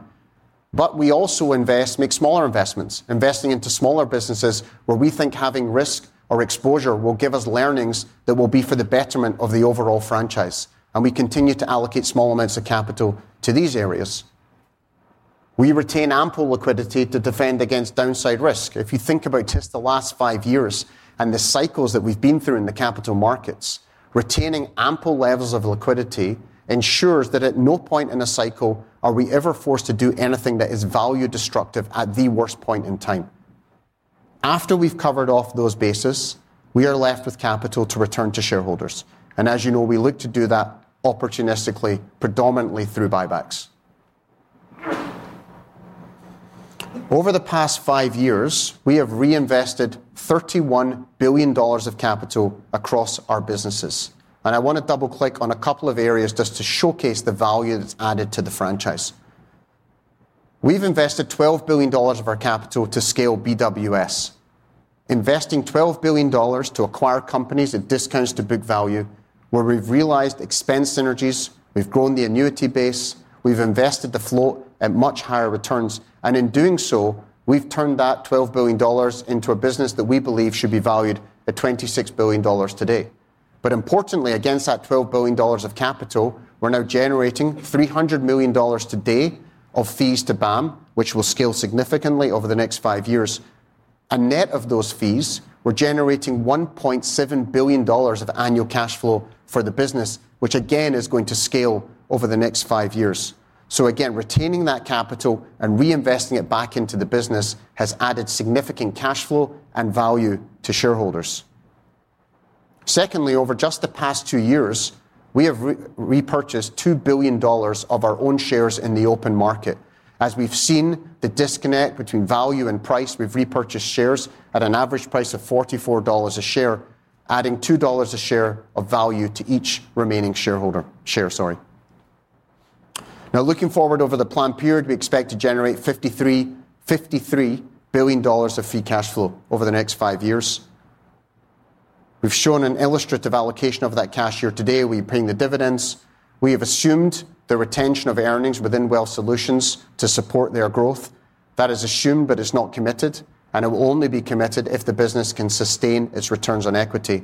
We also invest, make smaller investments, investing into smaller businesses where we think having risk or exposure will give us learnings that will be for the betterment of the overall franchise. We continue to allocate small amounts of capital to these areas. We retain ample liquidity to defend against downside risk. If you think about just the last five years and the cycles that we've been through in the capital markets, retaining ample levels of liquidity ensures that at no point in a cycle are we ever forced to do anything that is value-destructive at the worst point in time. After we've covered off those bases, we are left with capital to return to shareholders. As you know, we look to do that opportunistically, predominantly through buybacks. Over the past five years, we have reinvested 31 billion dollars of capital across our businesses. I want to double-click on a couple of areas just to showcase the value that's added to the franchise. We've invested 12 billion dollars of our capital to scale BWS, investing 12 billion dollars to acquire companies at discounts to book value, where we've realized expense synergies. We've grown the annuity base. We've invested the float at much higher returns. In doing so, we've turned that 12 billion dollars into a business that we believe should be valued at 26 billion dollars today. Importantly, against that 12 billion dollars of capital, we're now generating 300 million dollars today of fees to BAM, which will scale significantly over the next five years. Net of those fees, we're generating 1.7 billion dollars of annual cash flow for the business, which again is going to scale over the next five years. Retaining that capital and reinvesting it back into the business has added significant cash flow and value to shareholders. Over just the past two years, we have repurchased 2 billion dollars of our own shares in the open market. As we've seen the disconnect between value and price, we've repurchased shares at an average price of 44 dollars a share, adding 2 dollars a share of value to each remaining shareholder share. Now, looking forward over the planned period, we expect to generate 53 billion dollars of fee cash flow over the next five years. We've shown an illustrative allocation of that cash here today. We're paying the dividends. We have assumed the retention of earnings within wealth solutions to support their growth. That is assumed, but it's not committed, and it will only be committed if the business can sustain its returns on equity.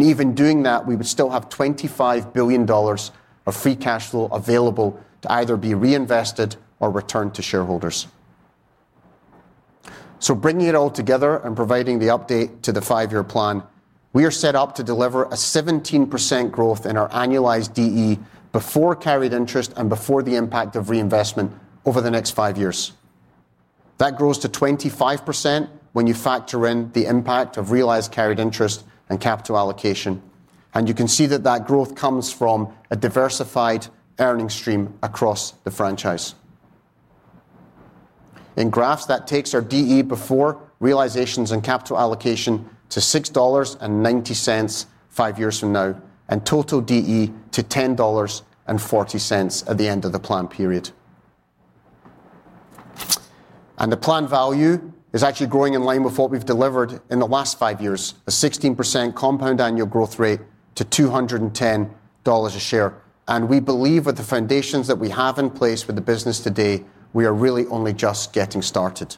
Even doing that, we would still have 25 billion dollars of free cash flow available to either be reinvested or returned to shareholders. Bringing it all together and providing the update to the five-year plan, we are set up to deliver a 17% growth in our annualized DE before carried interest and before the impact of reinvestment over the next five years. That grows to 25% when you factor in the impact of realized carried interest and capital allocation. You can see that growth comes from a diversified earnings stream across the franchise. In graphs, that takes our DE before realizations and capital allocation to 6.90 dollars five years from now and total DE to 10.40 dollars at the end of the planned period. The planned value is actually growing in line with what we've delivered in the last five years, a 16% compound annual growth rate to 210 dollars a share. We believe with the foundations that we have in place with the business today, we are really only just getting started.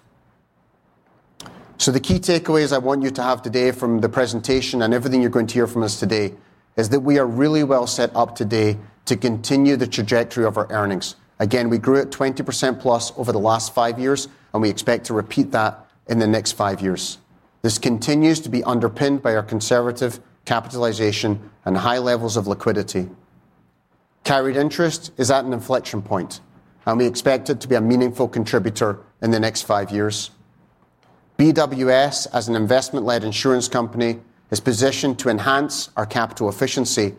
The key takeaways I want you to have today from the presentation and everything you're going to hear from us today is that we are really well set up today to continue the trajectory of our earnings. We grew at 20%+ over the last five years, and we expect to repeat that in the next five years. This continues to be underpinned by our conservative capitalization and high levels of liquidity. Carried interest is at an inflection point, and we expect it to be a meaningful contributor in the next five years. BWS, as an investment-led insurance company, is positioned to enhance our capital efficiency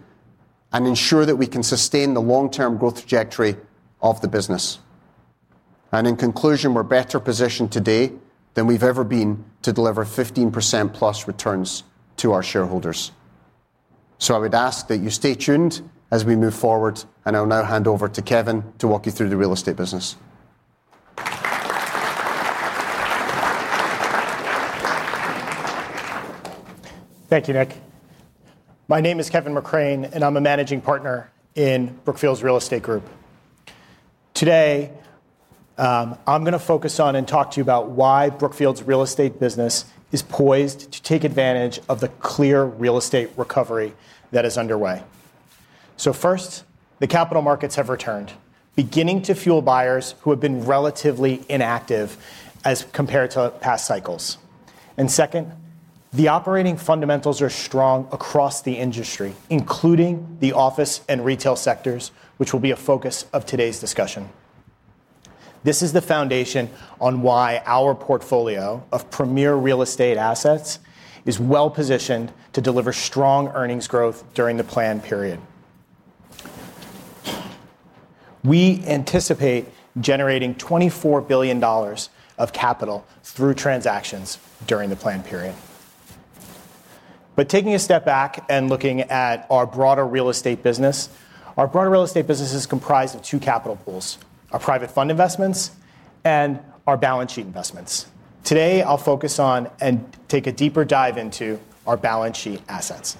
and ensure that we can sustain the long-term growth trajectory of the business. In conclusion, we're better positioned today than we've ever been to deliver 15%+ returns to our shareholders. I would ask that you stay tuned as we move forward. I'll now hand over to Kevin to walk you through the real estate business. Thank you, Nick. My name is Kevin McCrain, and I'm a Managing Partner in Brookfield's Real Estate Group. Today, I'm going to focus on and talk to you about why Brookfield's real estate business is poised to take advantage of the clear real estate recovery that is underway. First, the capital markets have returned, beginning to fuel buyers who have been relatively inactive as compared to past cycles. Second, the operating fundamentals are strong across the industry, including the office and retail sectors, which will be a focus of today's discussion. This is the foundation on why our portfolio of premier real estate assets is well positioned to deliver strong earnings growth during the planned period. We anticipate generating 24 billion dollars of capital through transactions during the planned period. Taking a step back and looking at our broader real estate business, our broader real estate business is comprised of two capital pools: our private fund investments and our balance sheet investments. Today, I'll focus on and take a deeper dive into our balance sheet assets.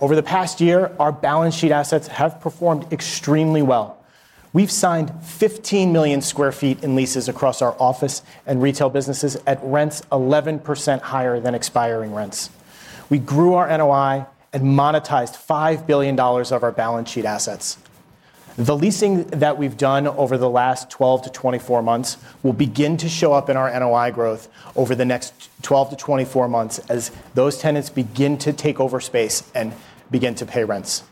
Over the past year, our balance sheet assets have performed extremely well. We've signed 15 million sq ft in leases across our office and retail businesses at rents 11% higher than expiring rents. We grew our NOI and monetized 5 billion dollars of our balance sheet assets. The leasing that we've done over the last 12 to 24 months will begin to show up in our NOI growth over the next 12 to 24 months as those tenants begin to take over space and begin to pay rents.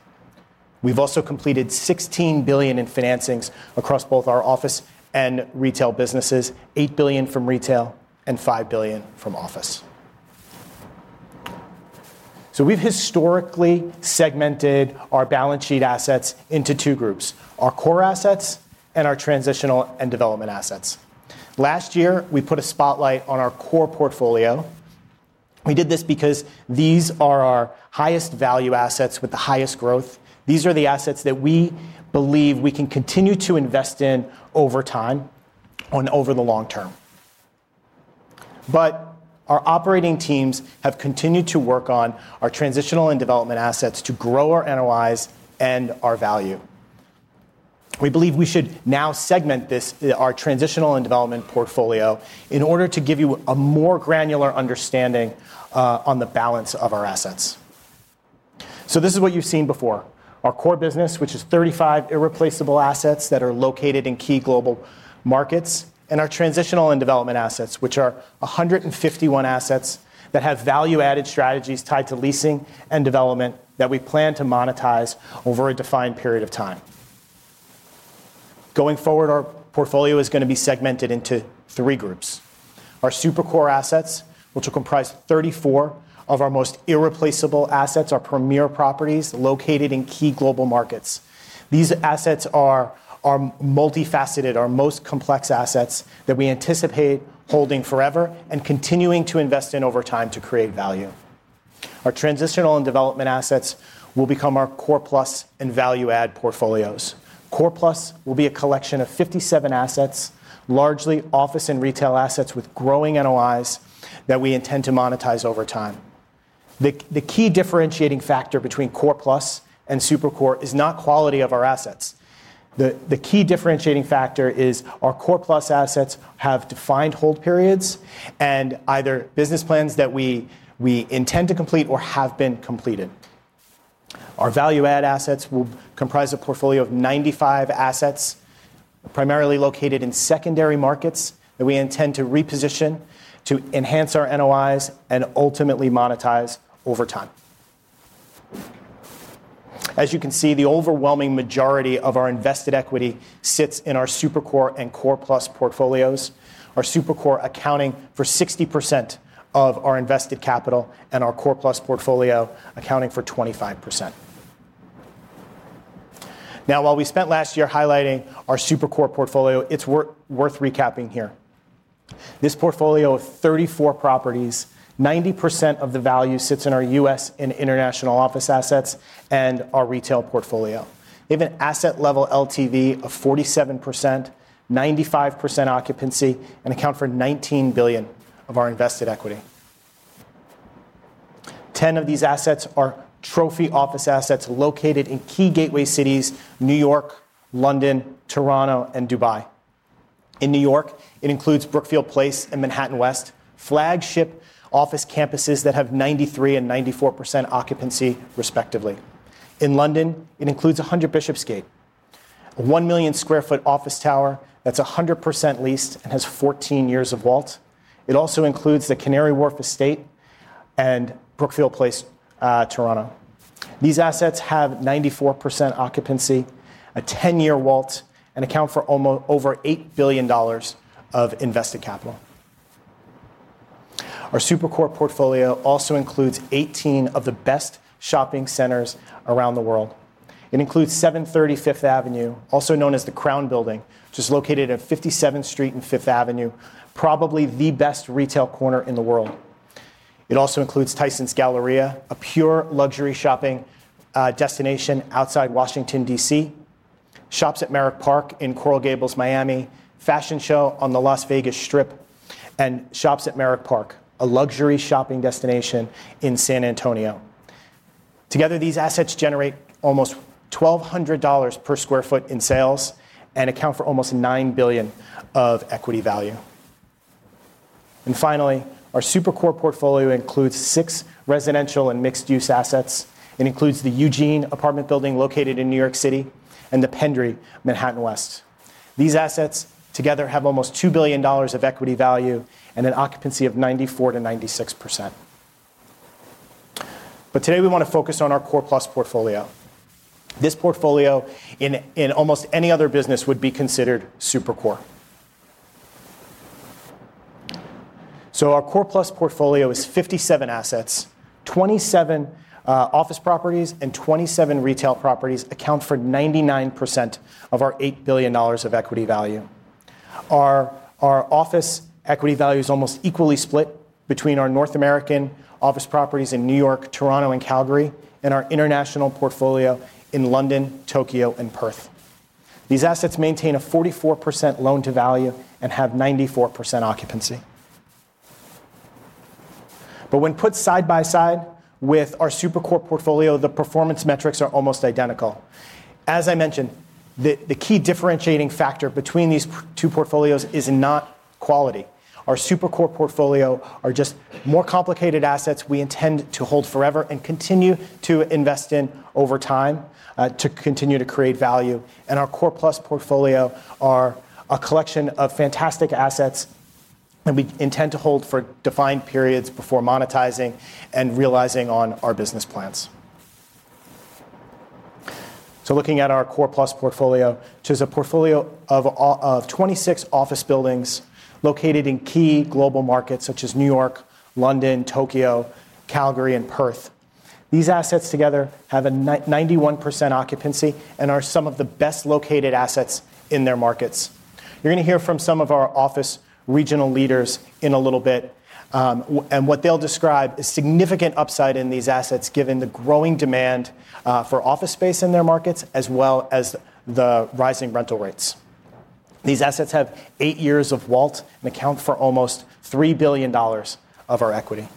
We've also completed 16 billion in financings across both our office and retail businesses, 8 billion from retail and 5 billion from office. We've historically segmented our balance sheet assets into two groups: our core assets and our transitional and development assets. Last year, we put a spotlight on our core portfolio. We did this because these are our highest value assets with the highest growth. These are the assets that we believe we can continue to invest in over time and over the long-term. Our operating teams have continued to work on our transitional and development assets to grow our NOIs and our value. We believe we should now segment our transitional and development portfolio in order to give you a more granular understanding on the balance of our assets. This is what you've seen before: our core business, which is 35 irreplaceable assets that are located in key global markets, and our transitional and development assets, which are 151 assets that have value-added strategies tied to leasing and development that we plan to monetize over a defined period of time. Going forward, our portfolio is going to be segmented into three groups: our super core assets, which will comprise 34 of our most irreplaceable assets, our premier properties located in key global markets. These assets are our multifaceted, our most complex assets that we anticipate holding forever and continuing to invest in over time to create value. Our transitional and development assets will become our core plus and value-add portfolios. Core plus will be a collection of 57 assets, largely office and retail assets with growing NOIs that we intend to monetize over time. The key differentiating factor between core plus and super core is not quality of our assets. The key differentiating factor is our core plus assets have defined hold periods and either business plans that we intend to complete or have been completed. Our value-add assets will comprise a portfolio of 95 assets, primarily located in secondary markets that we intend to reposition to enhance our NOIs and ultimately monetize over time. As you can see, the overwhelming majority of our invested equity sits in our super core and core plus portfolios, our super core accounting for 60% of our invested capital and our core plus portfolio accounting for 25%. While we spent last year highlighting our super core portfolio, it's worth recapping here. This portfolio of 34 properties, 90% of the value sits in our U.S. and international office assets and our retail portfolio. We have an asset-level LTV of 47%, 95% occupancy, and account for 19 billion of our invested equity. 10 of these assets are trophy office assets located in key gateway cities: New York, London, Toronto, and Dubai. In New York, it includes Brookfield Place and Manhattan West, flagship office campuses that have 93% and 94% occupancy, respectively. In London, it includes 100 Bishop's Gate, a 1 million sq ft office tower that's 100% leased and has 14 years of WALT. It also includes the Canary Wharf Estate and Brookfield Place, Toronto. These assets have 94% occupancy, a 10-year WALT, and account for over 8 billion dollars of invested capital. Our super core portfolio also includes 18 of the best shopping centers around the world. It includes 730 Fifth Avenue, also known as the Crown Building, which is located at 57th Street and Fifth Avenue, probably the best retail corner in the world. It also includes Tysons Galleria, a pure luxury shopping destination outside Washington, D.C., Shops at Merrick Park in Coral Gables, Miami, Fashion Show on the Las Vegas Strip, and Shops at Merrick Park, a luxury shopping destination in San Antonio. Together, these assets generate almost 1,200 dollars per sq ft in sales and account for almost 9 billion of equity value. Finally, our super core portfolio includes six residential and mixed-use assets. It includes the Eugene apartment building located in New York City and the Pendry Manhattan West. These assets together have almost 2 billion dollars of equity value and an occupancy of 94%-96%. Today, we want to focus on our core plus portfolio. This portfolio, in almost any other business, would be considered super core. Our core plus portfolio is 57 assets, 27 office properties, and 27 retail properties account for 99% of our 8 billion dollars of equity value. Our office equity value is almost equally split between our North American office properties in New York, Toronto, and Calgary, and our international portfolio in London, Tokyo, and Perth. These assets maintain a 44% loan-to-value and have 94% occupancy. When put side by side with our super core portfolio, the performance metrics are almost identical. As I mentioned, the key differentiating factor between these two portfolios is not quality. Our super core portfolio are just more complicated assets we intend to hold forever and continue to invest in over time to continue to create value. Our core plus portfolio are a collection of fantastic assets that we intend to hold for defined periods before monetizing and realizing on our business plans. Looking at our core plus portfolio, which is a portfolio of 26 office buildings located in key global markets such as New York, London, Tokyo, Calgary, and Perth, these assets together have a 91% occupancy and are some of the best located assets in their markets. You are going to hear from some of our office regional leaders in a little bit. What they will describe is significant upside in these assets given the growing demand for office space in their markets, as well as the rising rental rates. These assets have eight years of WALT and account for almost 3 billion dollars of our equity.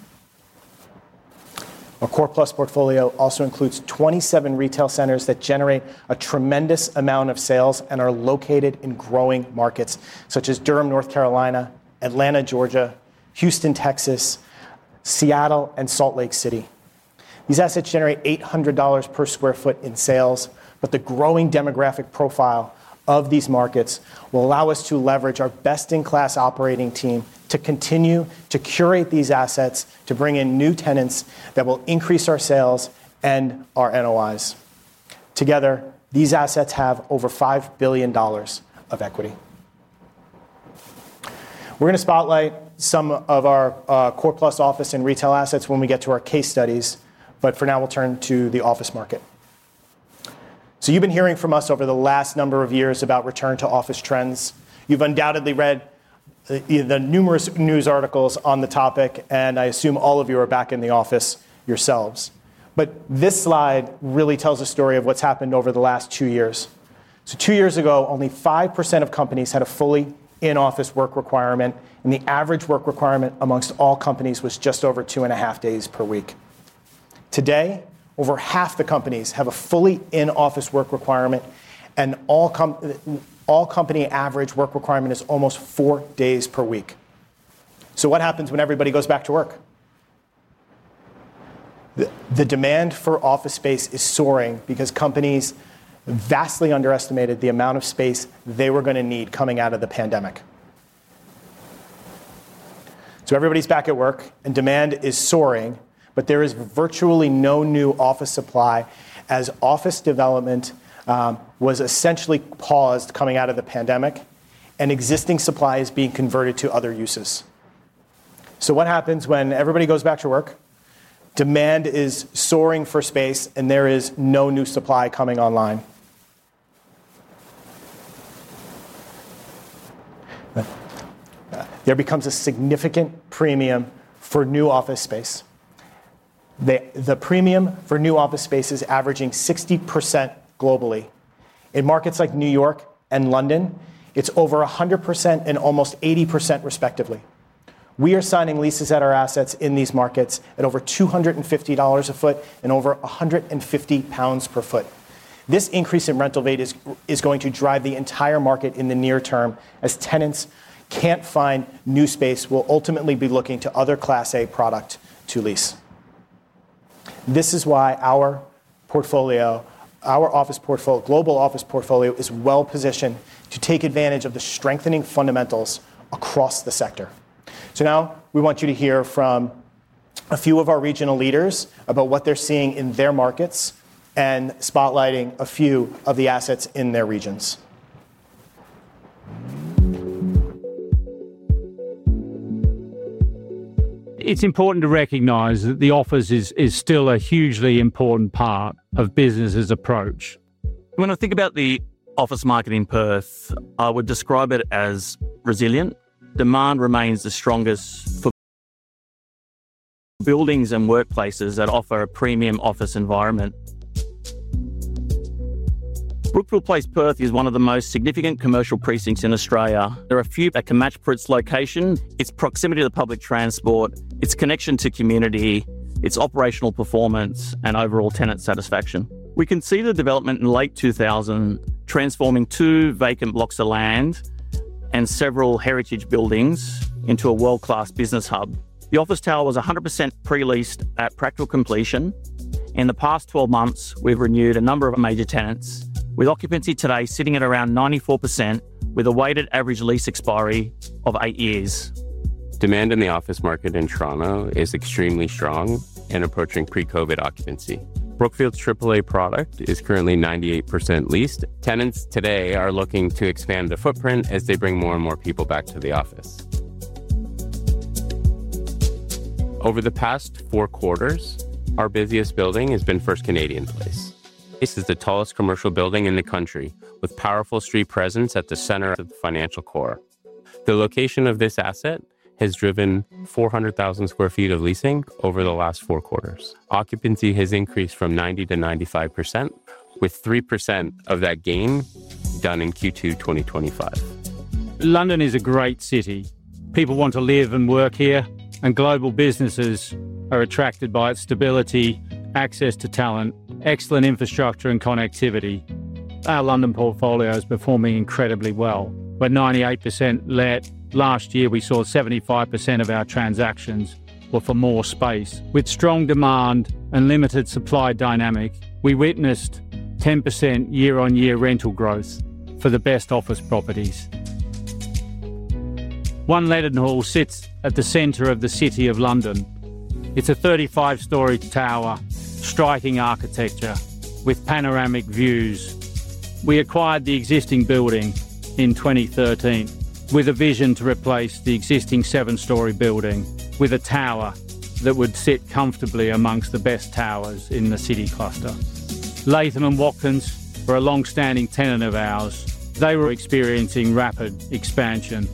Our core plus portfolio also includes 27 retail centers that generate a tremendous amount of sales and are located in growing markets such as Durham, North Carolina, Atlanta, Georgia, Houston, Texas, Seattle, and Salt Lake City. These assets generate 800 dollars per sq ft in sales, but the growing demographic profile of these markets will allow us to leverage our best-in-class operating team to continue to curate these assets, to bring in new tenants that will increase our sales and our NOIs. Together, these assets have over 5 billion dollars of equity. We are going to spotlight some of our core plus office and retail assets when we get to our case studies. For now, we will turn to the office market. You have been hearing from us over the last number of years about return-to-office trends. You have undoubtedly read the numerous news articles on the topic, and I assume all of you are back in the office yourselves. This slide really tells a story of what has happened over the last two years. Two years ago, only 5% of companies had a fully in-office work requirement, and the average work requirement among all companies was just over 2.5 days per week. Today, over half the companies have a fully in-office work requirement, and the all company average work requirement is almost four days per week. What happens when everybody goes back to work? The demand for office space is soaring because companies vastly underestimated the amount of space they were going to need coming out of the pandemic. Everybody is back at work, and demand is soaring, but there is virtually no new office supply as office development was essentially paused coming out of the pandemic and existing supply is being converted to other uses. When everybody goes back to work, demand is soaring for space, and there is no new supply coming online. There becomes a significant premium for new office space. The premium for new office space is averaging 60% globally. In markets like New York and London, it's over 100% and almost 80%, respectively. We are signing leases at our assets in these markets at over 250 dollars a foot and over 150 pounds per foot. This increase in rental rate is going to drive the entire market in the near term as tenants can't find new space, will ultimately be looking to other Class A products to lease. This is why our portfolio, our office portfolio, global office portfolio is well positioned to take advantage of the strengthening fundamentals across the sector. Now we want you to hear from a few of our regional leaders about what they're seeing in their markets and spotlighting a few of the assets in their regions. It's important to recognize that the office is still a hugely important part of business's approach. When I think about the office market in Perth, I would describe it as resilient. Demand remains the strongest for buildings and workplaces that offer a premium office environment. Brookfield Place Perth is one of the most significant commercial precincts in Australia. There are a few that can match Perth's location, its proximity to public transport, its connection to community, its operational performance, and overall tenant satisfaction. We can see the development in late 2000, transforming two vacant blocks of land and several heritage buildings into a world-class business hub. The office tower was 100% pre-leased at practical completion. In the past 12 months, we've renewed a number of major tenants, with occupancy today sitting at around 94%, with a weighted average lease expiry of eight years. Demand in the office market in Toronto is extremely strong and approaching pre-COVID occupancy. Brookfield's AAA product is currently 98% leased. Tenants today are looking to expand the footprint as they bring more and more people back to the office. Over the past four quarters, our busiest building has been First Canadian Place. This is the tallest commercial building in the country, with powerful street presence at the center of the financial core. The location of this asset has driven 400,000 sq ft of leasing over the last four quarters. Occupancy has increased from 90% to 95%, with 3% of that gain done in Q2 2025. London is a great city. People want to live and work here, and global businesses are attracted by its stability, access to talent, excellent infrastructure, and connectivity. Our London portfolio is performing incredibly well. We're 98% let. Last year, we saw 75% of our transactions were for more space. With strong demand and limited supply dynamic, we witnessed 10% year-on-year rental growth for the best office properties. One Leadenhall sits at the center of the City of London. It's a 35-story tower, striking architecture with panoramic views. We acquired the existing building in 2013 with a vision to replace the existing seven-story building with a tower that would sit comfortably amongst the best towers in the city cluster. Latham & Watkins were a longstanding tenant of ours. They were experiencing rapid expansion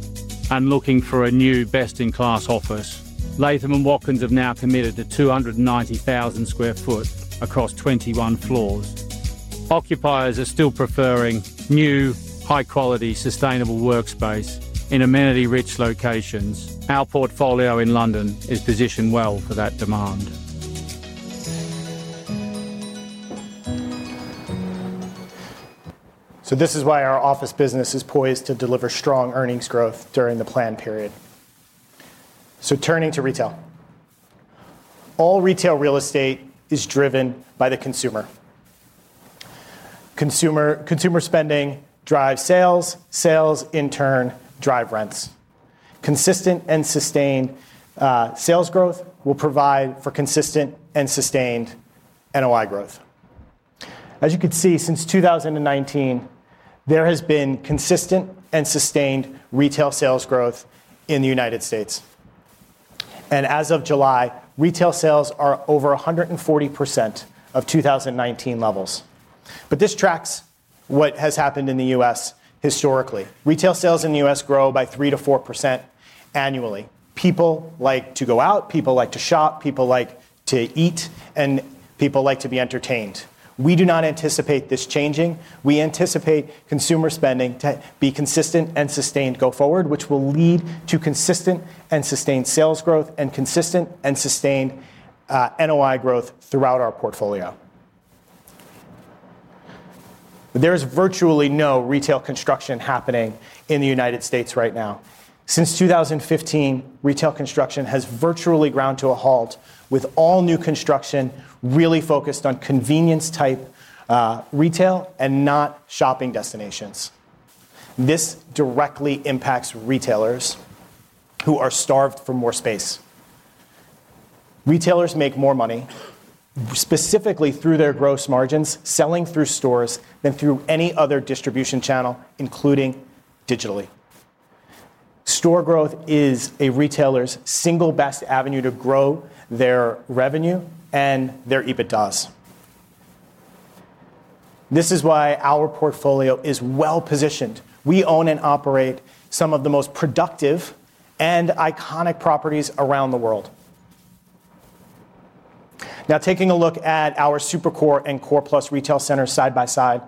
and looking for a new best-in-class office. Latham & Watkins have now committed to 290,000 sq ft across 21 floors. Occupiers are still preferring new, high-quality, sustainable workspace in amenity-rich locations. Our portfolio in London is positioned well for that demand. This is why our office business is poised to deliver strong earnings growth during the planned period. Turning to retail, all retail real estate is driven by the consumer. Consumer spending drives sales. Sales, in turn, drive rents. Consistent and sustained sales growth will provide for consistent and sustained NOI growth. As you can see, since 2019, there has been consistent and sustained retail sales growth in the United States. As of July, retail sales are over 140% of 2019 levels. This tracks what has happened in the U.S. historically. Retail sales in the U.S. grow by 3%-4% annually. People like to go out. People like to shop. People like to eat. People like to be entertained. We do not anticipate this changing. We anticipate consumer spending to be consistent and sustained going forward, which will lead to consistent and sustained sales growth and consistent and sustained NOI growth throughout our portfolio. There is virtually no retail construction happening in the United States. right now. Since 2015, retail construction has virtually ground to a halt, with all new construction really focused on convenience-type retail and not shopping destinations. This directly impacts retailers who are starved for more space. Retailers make more money specifically through their gross margins, selling through stores than through any other distribution channel, including digitally. Store growth is a retailer's single best avenue to grow their revenue and their EBITDA. This is why our portfolio is well positioned. We own and operate some of the most productive and iconic properties around the world. Now, taking a look at our super core. Core Plus Retail Centers side by side,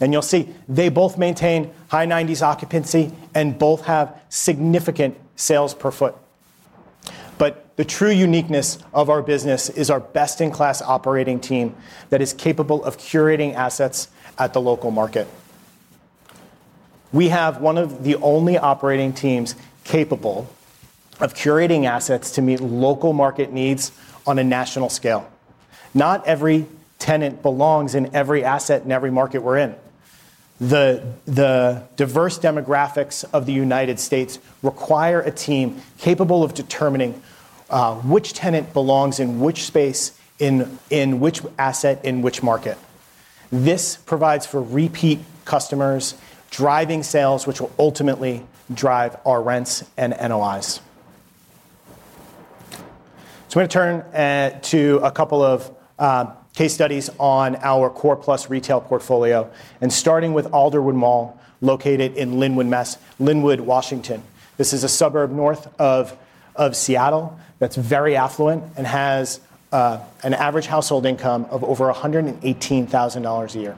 and you'll see they both maintain high 90s occupancy and both have significant sales per foot. The true uniqueness of our business is our best-in-class operating team that is capable of curating assets at the local market. We have one of the only operating teams capable of curating assets to meet local market needs on a national scale. Not every tenant belongs in every asset in every market we're in. The diverse demographics of the United States require a team capable of determining which tenant belongs in which space, in which asset, in which market. This provides for repeat customers, driving sales, which will ultimately drive our rents and NOIs. I'm going to turn to a couple of case studies on our Core Plus Retail portfolio, starting with Alderwood Mall, located in Lynnwood, Washington. This is a suburb north of Seattle that's very affluent and has an average household income of over 118,000 dollars a year.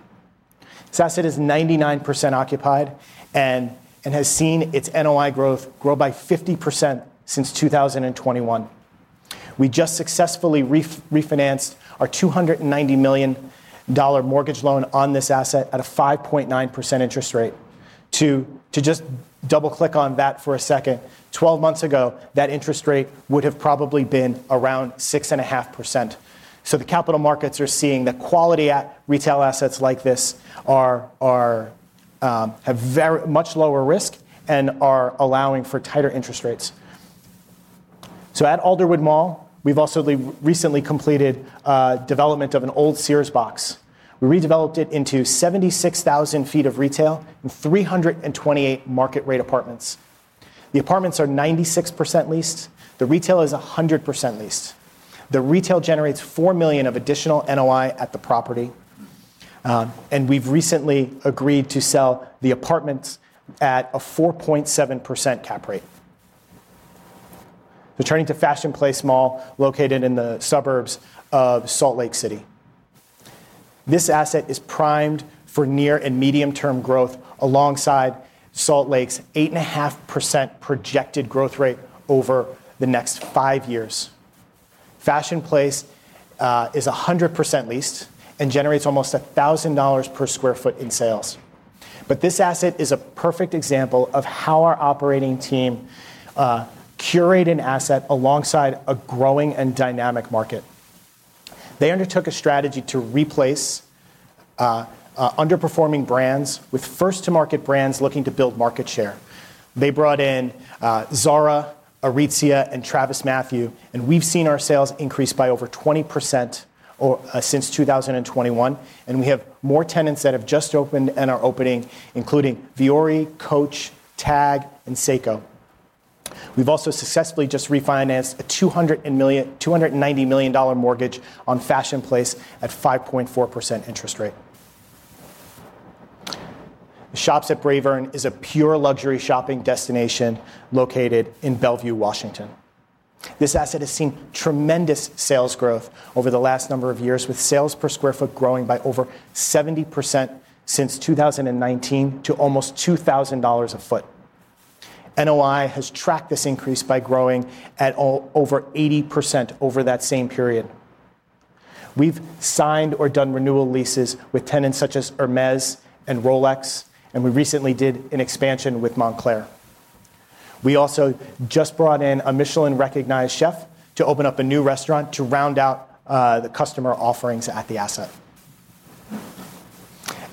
This asset is 99% occupied and has seen its NOI growth grow by 50% since 2021. We just successfully refinanced our 290 million dollar mortgage loan on this asset at a 5.9% interest rate. To just double-click on that for a second, 12 months ago, that interest rate would have probably been around 6.5%. The capital markets are seeing that quality retail assets like this have very much lower risk and are allowing for tighter interest rates. At Alderwood Mall, we've also recently completed the development of an old Sears box. We redeveloped it into 76,000 ft of retail and 328 market-rate apartments. The apartments are 96% leased. The retail is 100% leased. The retail generates 4 million of additional NOI at the property. We've recently agreed to sell the apartments at a 4.7% cap rate. Returning to Fashion Place Mall, located in the suburbs of Salt Lake City. This asset is primed for near and medium-term growth alongside Salt Lake's 8.5% projected growth rate over the next five years. Fashion Place is 100% leased and generates almost 1,000 dollars per sq ft in sales. This asset is a perfect example of how our operating team curated assets alongside a growing and dynamic market. They undertook a strategy to replace underperforming brands with first-to-market brands looking to build market share. They brought in Zara, Aritzia, and TravisMathew, and we've seen our sales increase by over 20% since 2021. We have more tenants that have just opened and are opening, including Vuori, Coach, TAG, and Seiko. We've also successfully just refinanced a 290 million dollar mortgage on Fashion Place at a 5.4% interest rate. The Shops at Bravern is a pure luxury shopping destination located in Bellevue, Washington. This asset has seen tremendous sales growth over the last number of years, with sales per square foot growing by over 70% since 2019 to almost 2,000 dollars a foot. NOI has tracked this increase by growing at over 80% over that same period. We've signed or done renewal leases with tenants such as Hermès and Rolex, and we recently did an expansion with Moncler. We also just brought in a Michelin-recognized chef to open up a new restaurant to round out the customer offerings at the asset.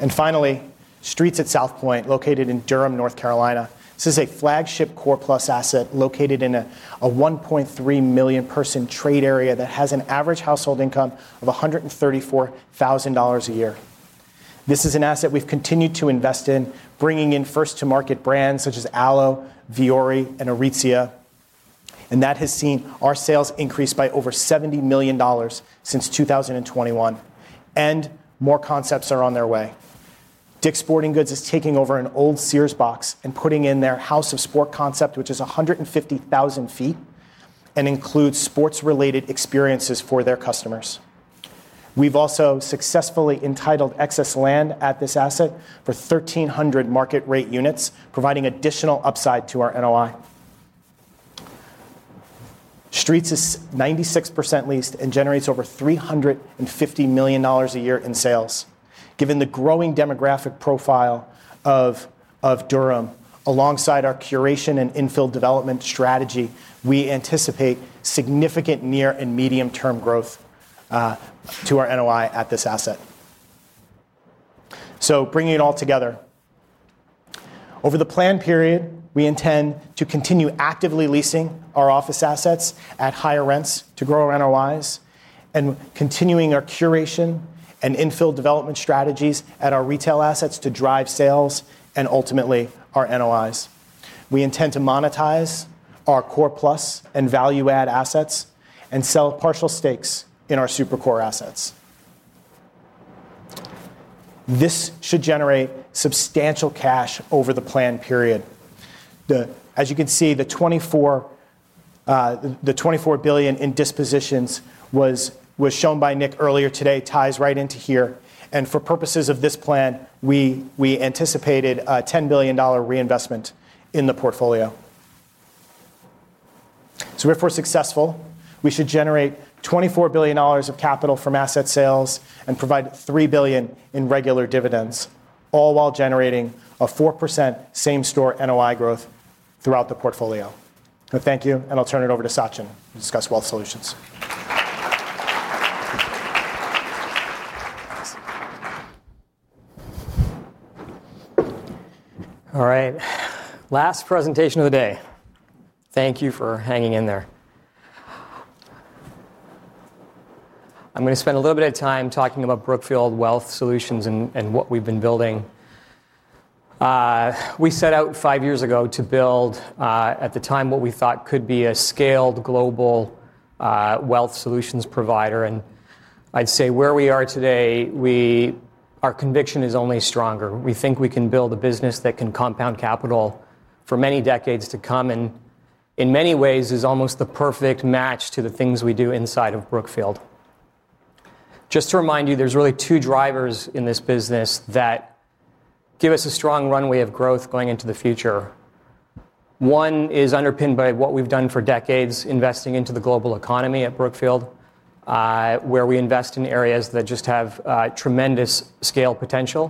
Finally, Streets at South Point, located in Durham, North Carolina, is a flagship Core Plus asset located in a 1.3 million-person trade area that has an average household income of 134,000 dollars a year. This is an asset we've continued to invest in, bringing in first-to-market brands such as Alo, Vuori, and Aritzia, and that has seen our sales increase by over 70 million dollars since 2021. More concepts are on their way. Dick's Sporting Goods is taking over an old Sears box and putting in their House of Sport concept, which is 150,000 feet and includes sports-related experiences for their customers. We've also successfully entitled excess land at this asset for 1,300 market-rate units, providing additional upside to our NOI. Streets is 96% leased and generates over 350 million dollars a year in sales. Given the growing demographic profile of Durham, alongside our curation and infill development strategy, we anticipate significant near and medium-term growth to our NOI at this asset. Bringing it all together, over the planned period, we intend to continue actively leasing our office assets at higher rents to grow our NOIs and continuing our curation and infill development strategies at our retail assets to drive sales and ultimately our NOIs. We intend to monetize our Core Plus and value-add assets and sell partial stakes in our Super Core assets. This should generate substantial cash over the planned period. As you can see, the 24 billion in dispositions, as shown by Nick earlier today, ties right into here. For purposes of this plan, we anticipated a 10 billion dollar reinvestment in the portfolio. If we're successful, we should generate 24 billion dollars of capital from asset sales and provide 3 billion in regular dividends, all while generating a 4% same-store NOI growth throughout the portfolio. Thank you. I'll turn it over to Sachin to discuss wealth solutions. Last presentation of the day. Thank you for hanging in there. I'm going to spend a little bit of time talking about Brookfield Wealth Solutions and what we've been building. We set out five years ago to build, at the time, what we thought could be a scaled global wealth solutions provider. I'd say where we are today, our conviction is only stronger. We think we can build a business that can compound capital for decades to come and, in many ways, is almost the perfect match to the things we do inside of Brookfield. Just to remind you, there's really two drivers in this business that give us a strong runway of growth going into the future. One is underpinned by what we've done decades, investing into the global economy at Brookfield, where we invest in areas that just have tremendous scale potential.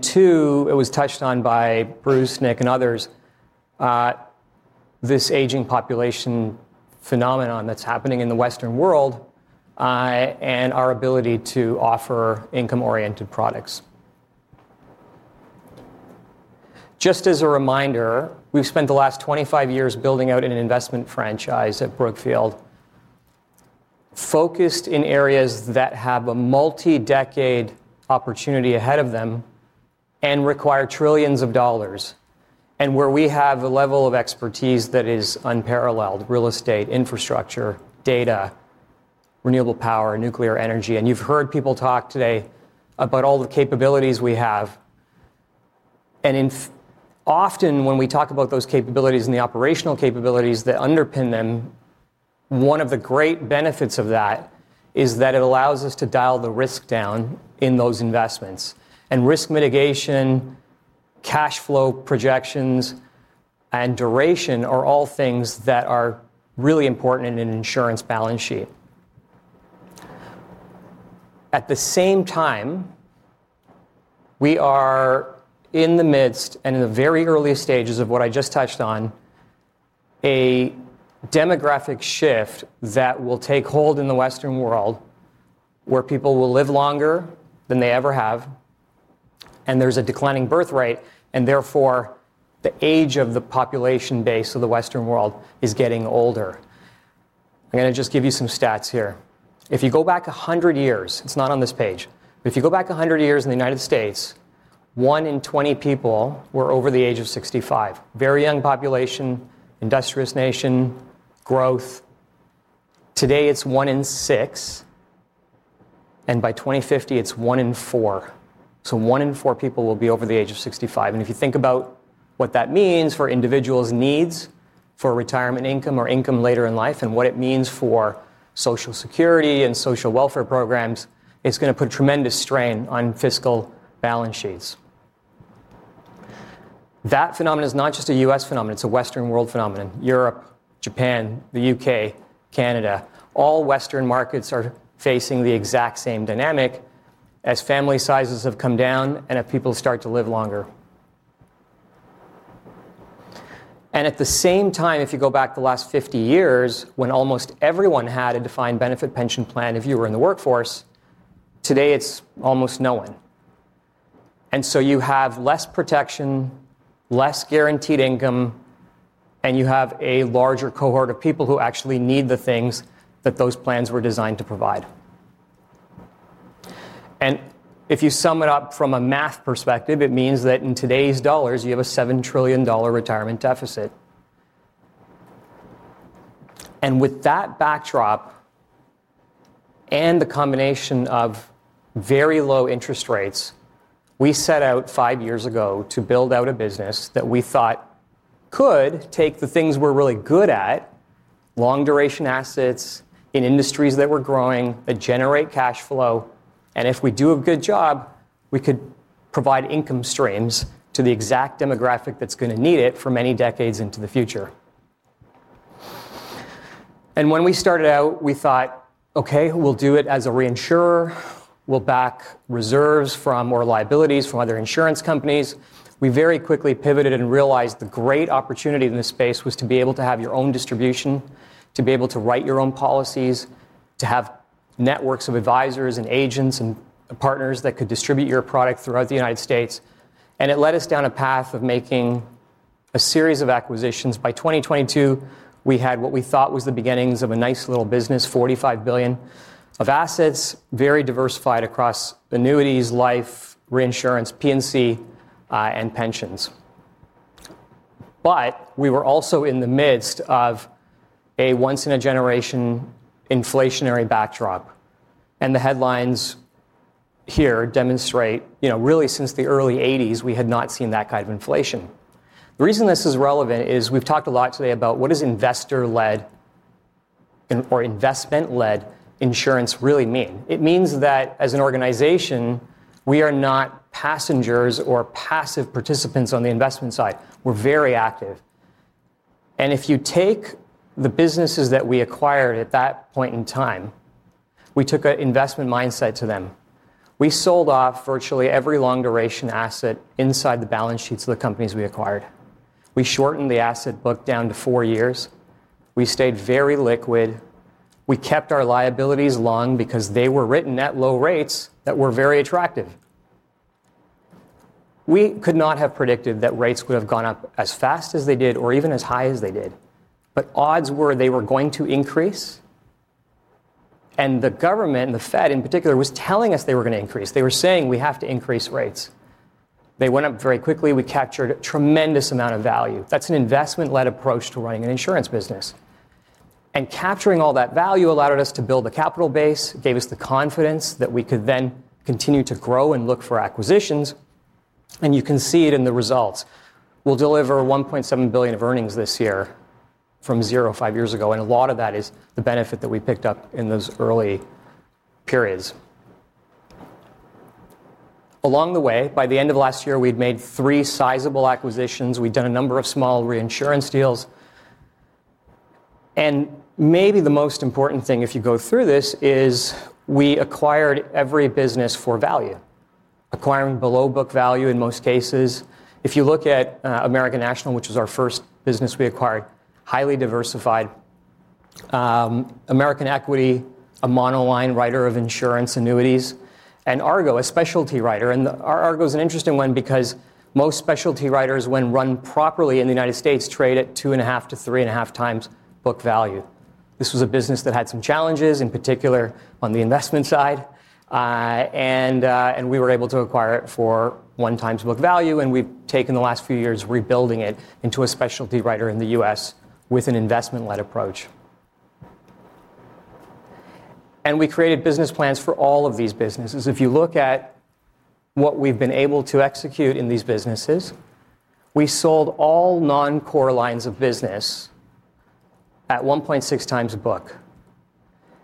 Two, it was touched on by Bruce, Nick, and others, this aging population phenomenon that's happening in the Western world and our ability to offer income-oriented products. Just as a reminder, we've spent the last 25 years building out an investment franchise at Brookfield, focused in areas that have multi-decade opportunity ahead of them and require trillions of dollars, and where we have a level of expertise that is unparalleled: real estate, infrastructure, data, renewable power, nuclear energy. You've heard people talk today about all the capabilities we have. Often, when we talk about those capabilities and the operational capabilities that underpin them, one of the great benefits of that is that it allows us to dial the risk down in those investments. Risk mitigation, cash flow projections, and duration are all things that are really important in an insurance balance sheet. At the same time, we are in the midst and in the very early stages of what I just touched on, a demographic shift that will take hold in the Western world, where people will live longer than they ever have, and there's a declining birth rate, and therefore, the age of the population base of the Western world is getting older. I'm going to just give you some stats here. If you go back 100 years, it's not on this page, but if you go back 100 years in the United States, one in 20 people were over the age of 65. Very young population, industrious nation, growth. Today, it's one in six, and by 2050, it's one in four. One in four people will be over the age of 65. If you think about what that means for individuals' needs for retirement income or income later in life and what it means for Social Security and social welfare programs, it's going to put tremendous strain on fiscal balance sheets. That phenomenon is not just a U.S. phenomenon. It's a Western world phenomenon. Europe, Japan, the U.K., Canada, all Western markets are facing the exact same dynamic as family sizes have come down and people have started to live longer. At the same time, if you go back the last 50 years, when almost everyone had a defined benefit pension plan if you were in the workforce, today it's almost no one. You have less protection, less guaranteed income, and you have a larger cohort of people who actually need the things that those plans were designed to provide. If you sum it up from a math perspective, it means that in today's dollars, you have a 7 trillion dollar retirement deficit. With that backdrop and the combination of very low interest rates, we set out five years ago to build out a business that we thought could take the things we're really good at, long-duration assets in industries that were growing that generate cash flow, and if we do a good job, we could provide income streams to the exact demographic that's going to need it for decades into the future. When we started out, we thought, OK, we'll do it as a reinsurer. We'll back reserves from or liabilities from other insurance companies. We very quickly pivoted and realized the great opportunity in this space was to be able to have your own distribution, to be able to write your own policies, to have networks of advisors and agents and partners that could distribute your product throughout the United States. It led us down a path of making a series of acquisitions. By 2022, we had what we thought was the beginnings of a nice little business, 45 billion of assets, very diversified across annuities, life, reinsurance, P&C, and pensions. We were also in the midst of a once-in-a-generation inflationary backdrop. The headlines here demonstrate, really since the early 1980s, we had not seen that kind of inflation. The reason this is relevant is we've talked a lot today about what does investor-led or investment-led insurance really mean. It means that as an organization, we are not passengers or passive participants on the investment side. We're very active. If you take the businesses that we acquired at that point in time, we took an investment mindset to them. We sold off virtually every long-duration asset inside the balance sheets of the companies we acquired. We shortened the asset book down to four years. We stayed very liquid. We kept our liabilities long because they were written at low rates that were very attractive. We could not have predicted that rates would have gone up as fast as they did or even as high as they did. Odds were they were going to increase. The government and the Fed in particular were telling us they were going to increase. They were saying, we have to increase rates. They went up very quickly. We captured a tremendous amount of value. That is an investment-led approach to running an insurance business. Capturing all that value allowed us to build the capital base, gave us the confidence that we could then continue to grow and look for acquisitions. You can see it in the results. We will deliver 1.7 billion of earnings this year from 0 five years ago. A lot of that is the benefit that we picked up in those early periods. Along the way, by the end of last year, we had made three sizable acquisitions. We had done a number of small reinsurance deals. Maybe the most important thing, if you go through this, is we acquired every business for value, acquiring below book value in most cases. If you look at American National, which was our first business we acquired, highly diversified. American Equity, a monoline writer of insurance annuities, and Argo, a specialty writer. Argo is an interesting one because most specialty writers, when run properly in the United States, trade at 2.5x-3.5x book value. This was a business that had some challenges, in particular on the investment side. We were able to acquire it for one times book value. We have taken the last few years rebuilding it into a specialty writer in the U.S. with an investment-led approach. We created business plans for all of these businesses. If you look at what we have been able to execute in these businesses, we sold all non-core lines of business at 1.6x book.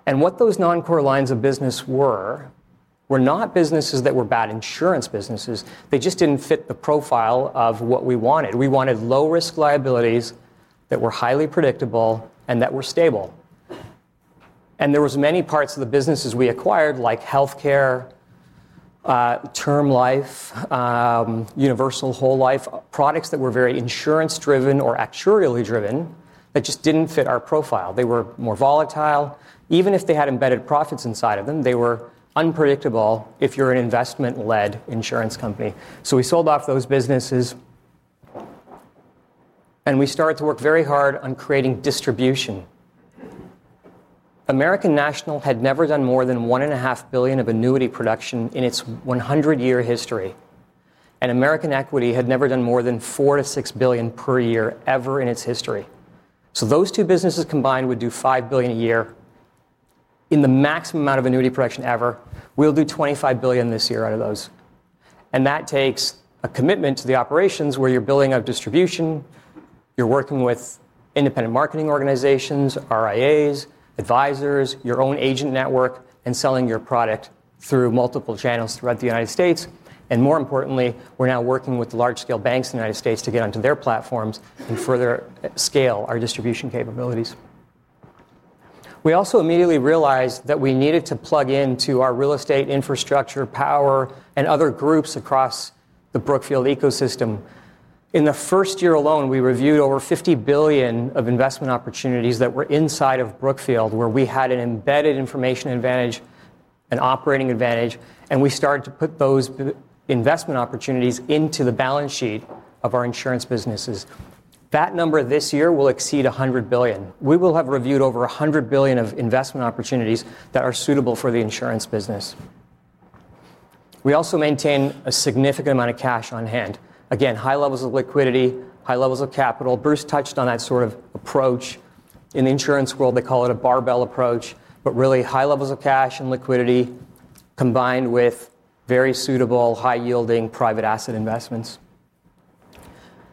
What those non-core lines of business were were not businesses that were bad insurance businesses. They just did not fit the profile of what we wanted. We wanted low-risk liabilities that were highly predictable and that were stable. There were many parts of the businesses we acquired, like health care, term life, universal whole life, products that were very insurance-driven or actuarially driven that just didn't fit our profile. They were more volatile. Even if they had embedded profits inside of them, they were unpredictable if you're an investment-led insurance company. We sold off those businesses. We started to work very hard on creating distribution. American National had never done more than 1.5 billion of annuity production in its 100-year history. American Equity had never done more than 4 billion-6 billion per year ever in its history. Those two businesses combined would do 5 billion a year in the maximum amount of annuity production ever. We will do 25 billion this year out of those. That takes a commitment to the operations where you're building up distribution, you're working with independent marketing organizations, RIAs, advisors, your own agent network, and selling your product through multiple channels throughout the United States. More importantly, we're now working with large-scale banks in the United States to get onto their platforms and further scale our distribution capabilities. We also immediately realized that we needed to plug into our real estate, infrastructure, power, and other groups across the Brookfield ecosystem. In the first year alone, we reviewed over 50 billion of investment opportunities that were inside of Brookfield, where we had an embedded information advantage, an operating advantage. We started to put those investment opportunities into the balance sheet of our insurance businesses. That number this year will exceed 100 billion. We will have reviewed over 100 billion of investment opportunities that are suitable for the insurance business. We also maintain a significant amount of cash on hand. Again, high levels of liquidity, high levels of capital. Bruce touched on that sort of approach. In the insurance world, they call it a barbell approach. Really, high levels of cash and liquidity combined with very suitable, high-yielding private asset investments.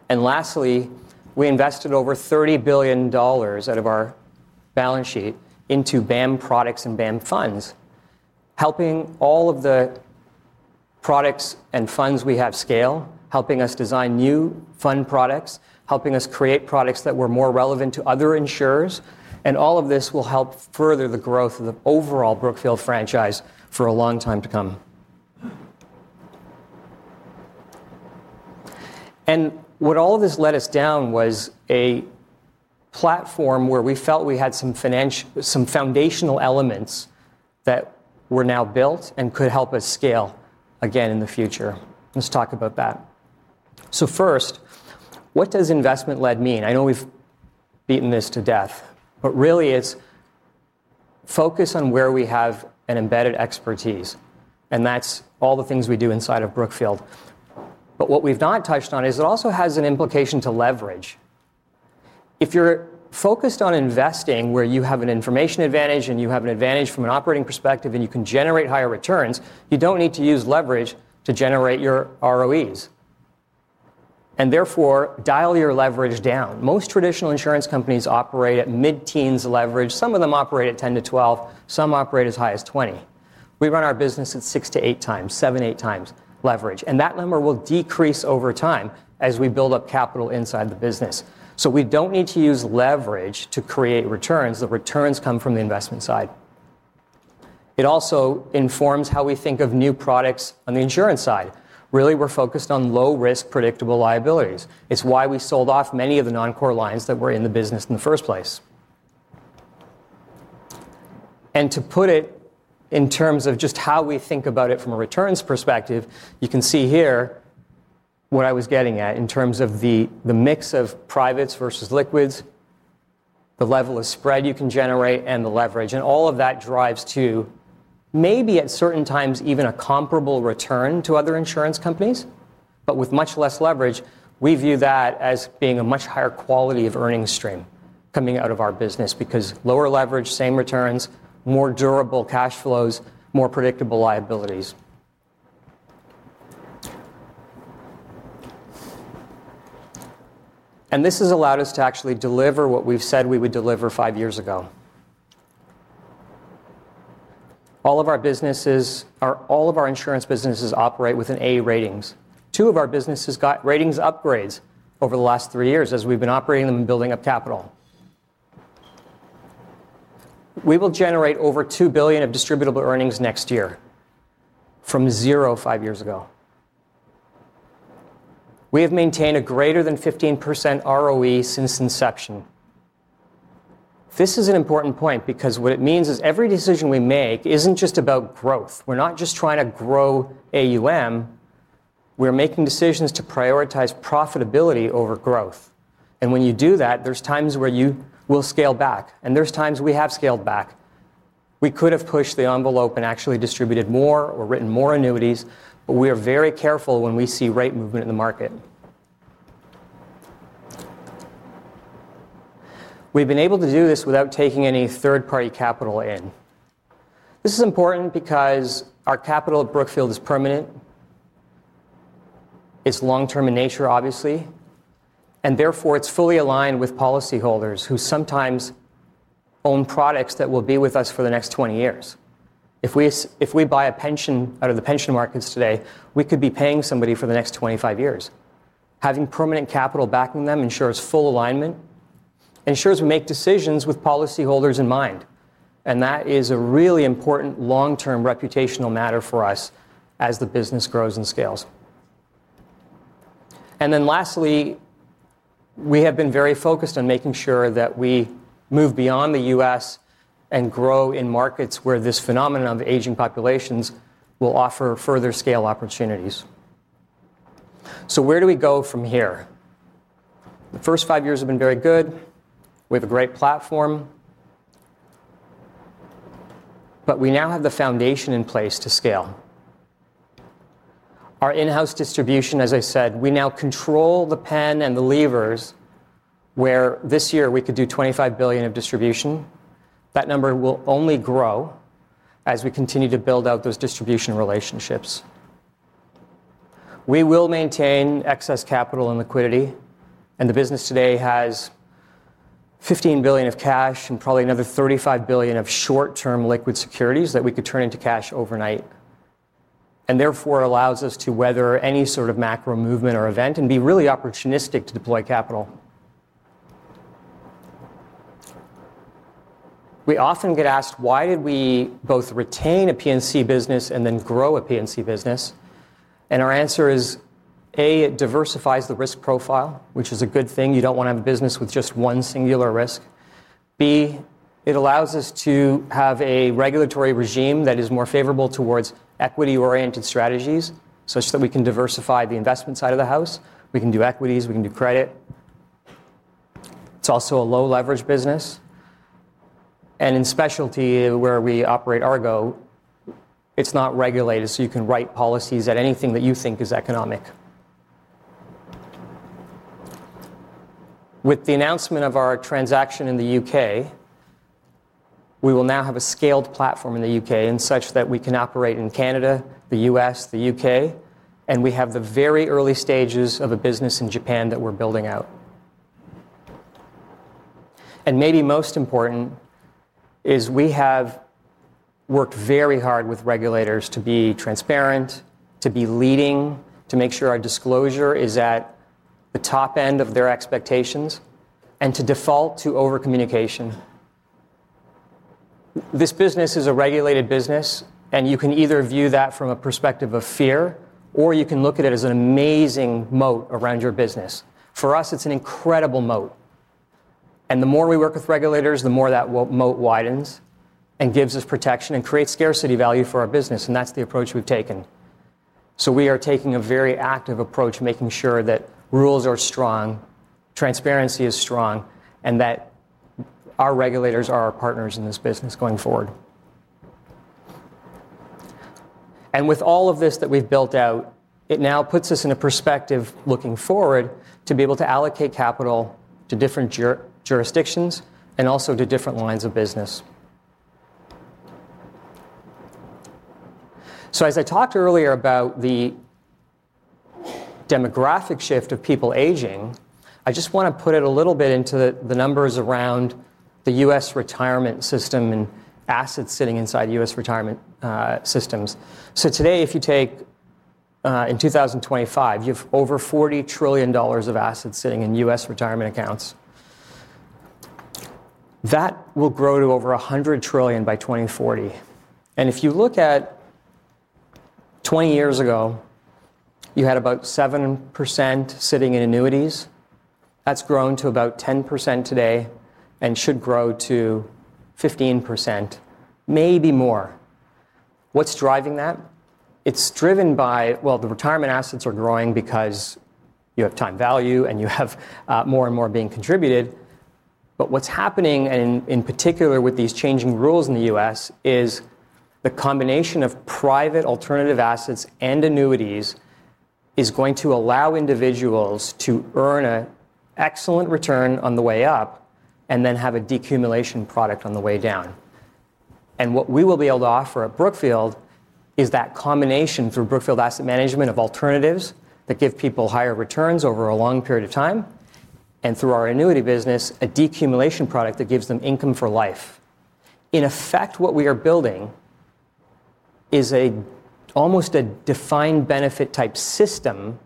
Lastly, we invested over 30 billion dollars out of our balance sheet into BAM products and BAM funds, helping all of the products and funds we have scale, helping us design new fund products, helping us create products that were more relevant to other insurers. All of this will help further the growth of the overall Brookfield franchise for a long time to come. What all of this led us down was a platform where we felt we had some foundational elements that were now built and could help us scale again in the future. Let's talk about that. First, what does investment-led mean? I know we've beaten this to death. Really, it's focus on where we have an embedded expertise. That's all the things we do inside of Brookfield. What we've not touched on is it also has an implication to leverage. If you're focused on investing where you have an information advantage and you have an advantage from an operating perspective and you can generate higher returns, you don't need to use leverage to generate your ROEs. Therefore, dial your leverage down. Most traditional insurance companies operate at mid-teens leverage. Some of them operate at 10%-12%. Some operate as high as 20%. We run our business at 6x-8x, 7x-8x leverage. That number will decrease over time as we build up capital inside the business. We don't need to use leverage to create returns. The returns come from the investment side. It also informs how we think of new products on the insurance side. Really, we're focused on low-risk predictable liabilities. It's why we sold off many of the non-core lines that were in the business in the first place. To put it in terms of just how we think about it from a returns perspective, you can see here what I was getting at in terms of the mix of privates versus liquids, the level of spread you can generate, and the leverage. All of that drives to maybe at certain times even a comparable return to other insurance companies, but with much less leverage. We view that as being a much higher quality of earnings stream coming out of our business because lower leverage, same returns, more durable cash flows, more predictable liabilities. This has allowed us to actually deliver what we've said we would deliver five years ago. All of our businesses, all of our insurance businesses operate within A ratings. Two of our businesses got ratings upgrades over the last three years as we've been operating them and building up capital. We will generate over 2 billion of distributable earnings next year from 0 five years ago. We have maintained a greater than 15% ROE since inception. This is an important point because what it means is every decision we make isn't just about growth. We're not just trying to grow AUM. We're making decisions to prioritize profitability over growth. When you do that, there are times where you will scale back, and there are times we have scaled back. We could have pushed the envelope and actually distributed more or written more annuities, but we are very careful when we see rate movement in the market. We've been able to do this without taking any third-party capital in. This is important because our capital at Brookfield is permanent. It's long-term in nature, obviously, and therefore, it's fully aligned with policyholders who sometimes own products that will be with us for the next 20 years. If we buy a pension out of the pension markets today, we could be paying somebody for the next 25 years. Having permanent capital backing them ensures full alignment and ensures we make decisions with policyholders in mind. That is a really important long-term reputational matter for us as the business grows and scales. Lastly, we have been very focused on making sure that we move beyond the U.S. and grow in markets where this phenomenon of aging populations will offer further scale opportunities. Where do we go from here? The first five years have been very good. We have a great platform, but we now have the foundation in place to scale. Our in-house distribution, as I said, we now control the pen and the levers where this year we could do 25 billion of distribution. That number will only grow as we continue to build out those distribution relationships. We will maintain excess capital and liquidity, and the business today has 15 billion of cash and probably another 35 billion of short-term liquid securities that we could turn into cash overnight. Therefore, it allows us to weather any sort of macro movement or event and be really opportunistic to deploy capital. We often get asked why we both retained a P&C business and then grew a P&C business. Our answer is, A, it diversifies the risk profile, which is a good thing. You don't want to have a business with just one singular risk. B, it allows us to have a regulatory regime that is more favorable towards equity-oriented strategies, such that we can diversify the investment side of the house. We can do equities, we can do credit. It's also a low-leverage business, and in specialty, where we operate Argo, it's not regulated, so you can write policies at anything that you think is economic. With the announcement of our transaction in the U.K., we will now have a scaled platform in the U.K., such that we can operate in Canada, the U.S., the U.K. We have the very early stages of a business in Japan that we're building out. Maybe most important is we have worked very hard with regulators to be transparent, to be leading, to make sure our disclosure is at the top end of their expectations, and to default to overcommunication. This business is a regulated business. You can either view that from a perspective of fear, or you can look at it as an amazing moat around your business. For us, it's an incredible moat. The more we work with regulators, the more that moat widens and gives us protection and creates scarcity value for our business. That's the approach we've taken. We are taking a very active approach, making sure that rules are strong, transparency is strong, and that our regulators are our partners in this business going forward. With all of this that we've built out, it now puts us in a perspective, looking forward, to be able to allocate capital to different jurisdictions and also to different lines of business. As I talked earlier about the demographic shift of people aging, I just want to put it a little bit into the numbers around the U.S. retirement system and assets sitting inside U.S. retirement systems. Today, if you take in 2025, you have over 40 trillion dollars of assets sitting in U.S. retirement accounts. That will grow to over 100 trillion by 2040. If you look at 20 years ago, you had about 7% sitting in annuities. That's grown to about 10% today and should grow to 15%, maybe more. What's driving that? It's driven by, well, the retirement assets are growing because you have time value and you have more and more being contributed. What's happening, and in particular with these changing rules in the U.S., is the combination of private alternative assets and annuities is going to allow individuals to earn an excellent return on the way up and then have a decumulation product on the way down. What we will be able to offer at Brookfield is that combination through Brookfield Asset Management of alternatives that give people higher returns over a long period of time, and through our annuity business, a decumulation product that gives them income for life. In effect, what we are building is almost a defined benefit-type system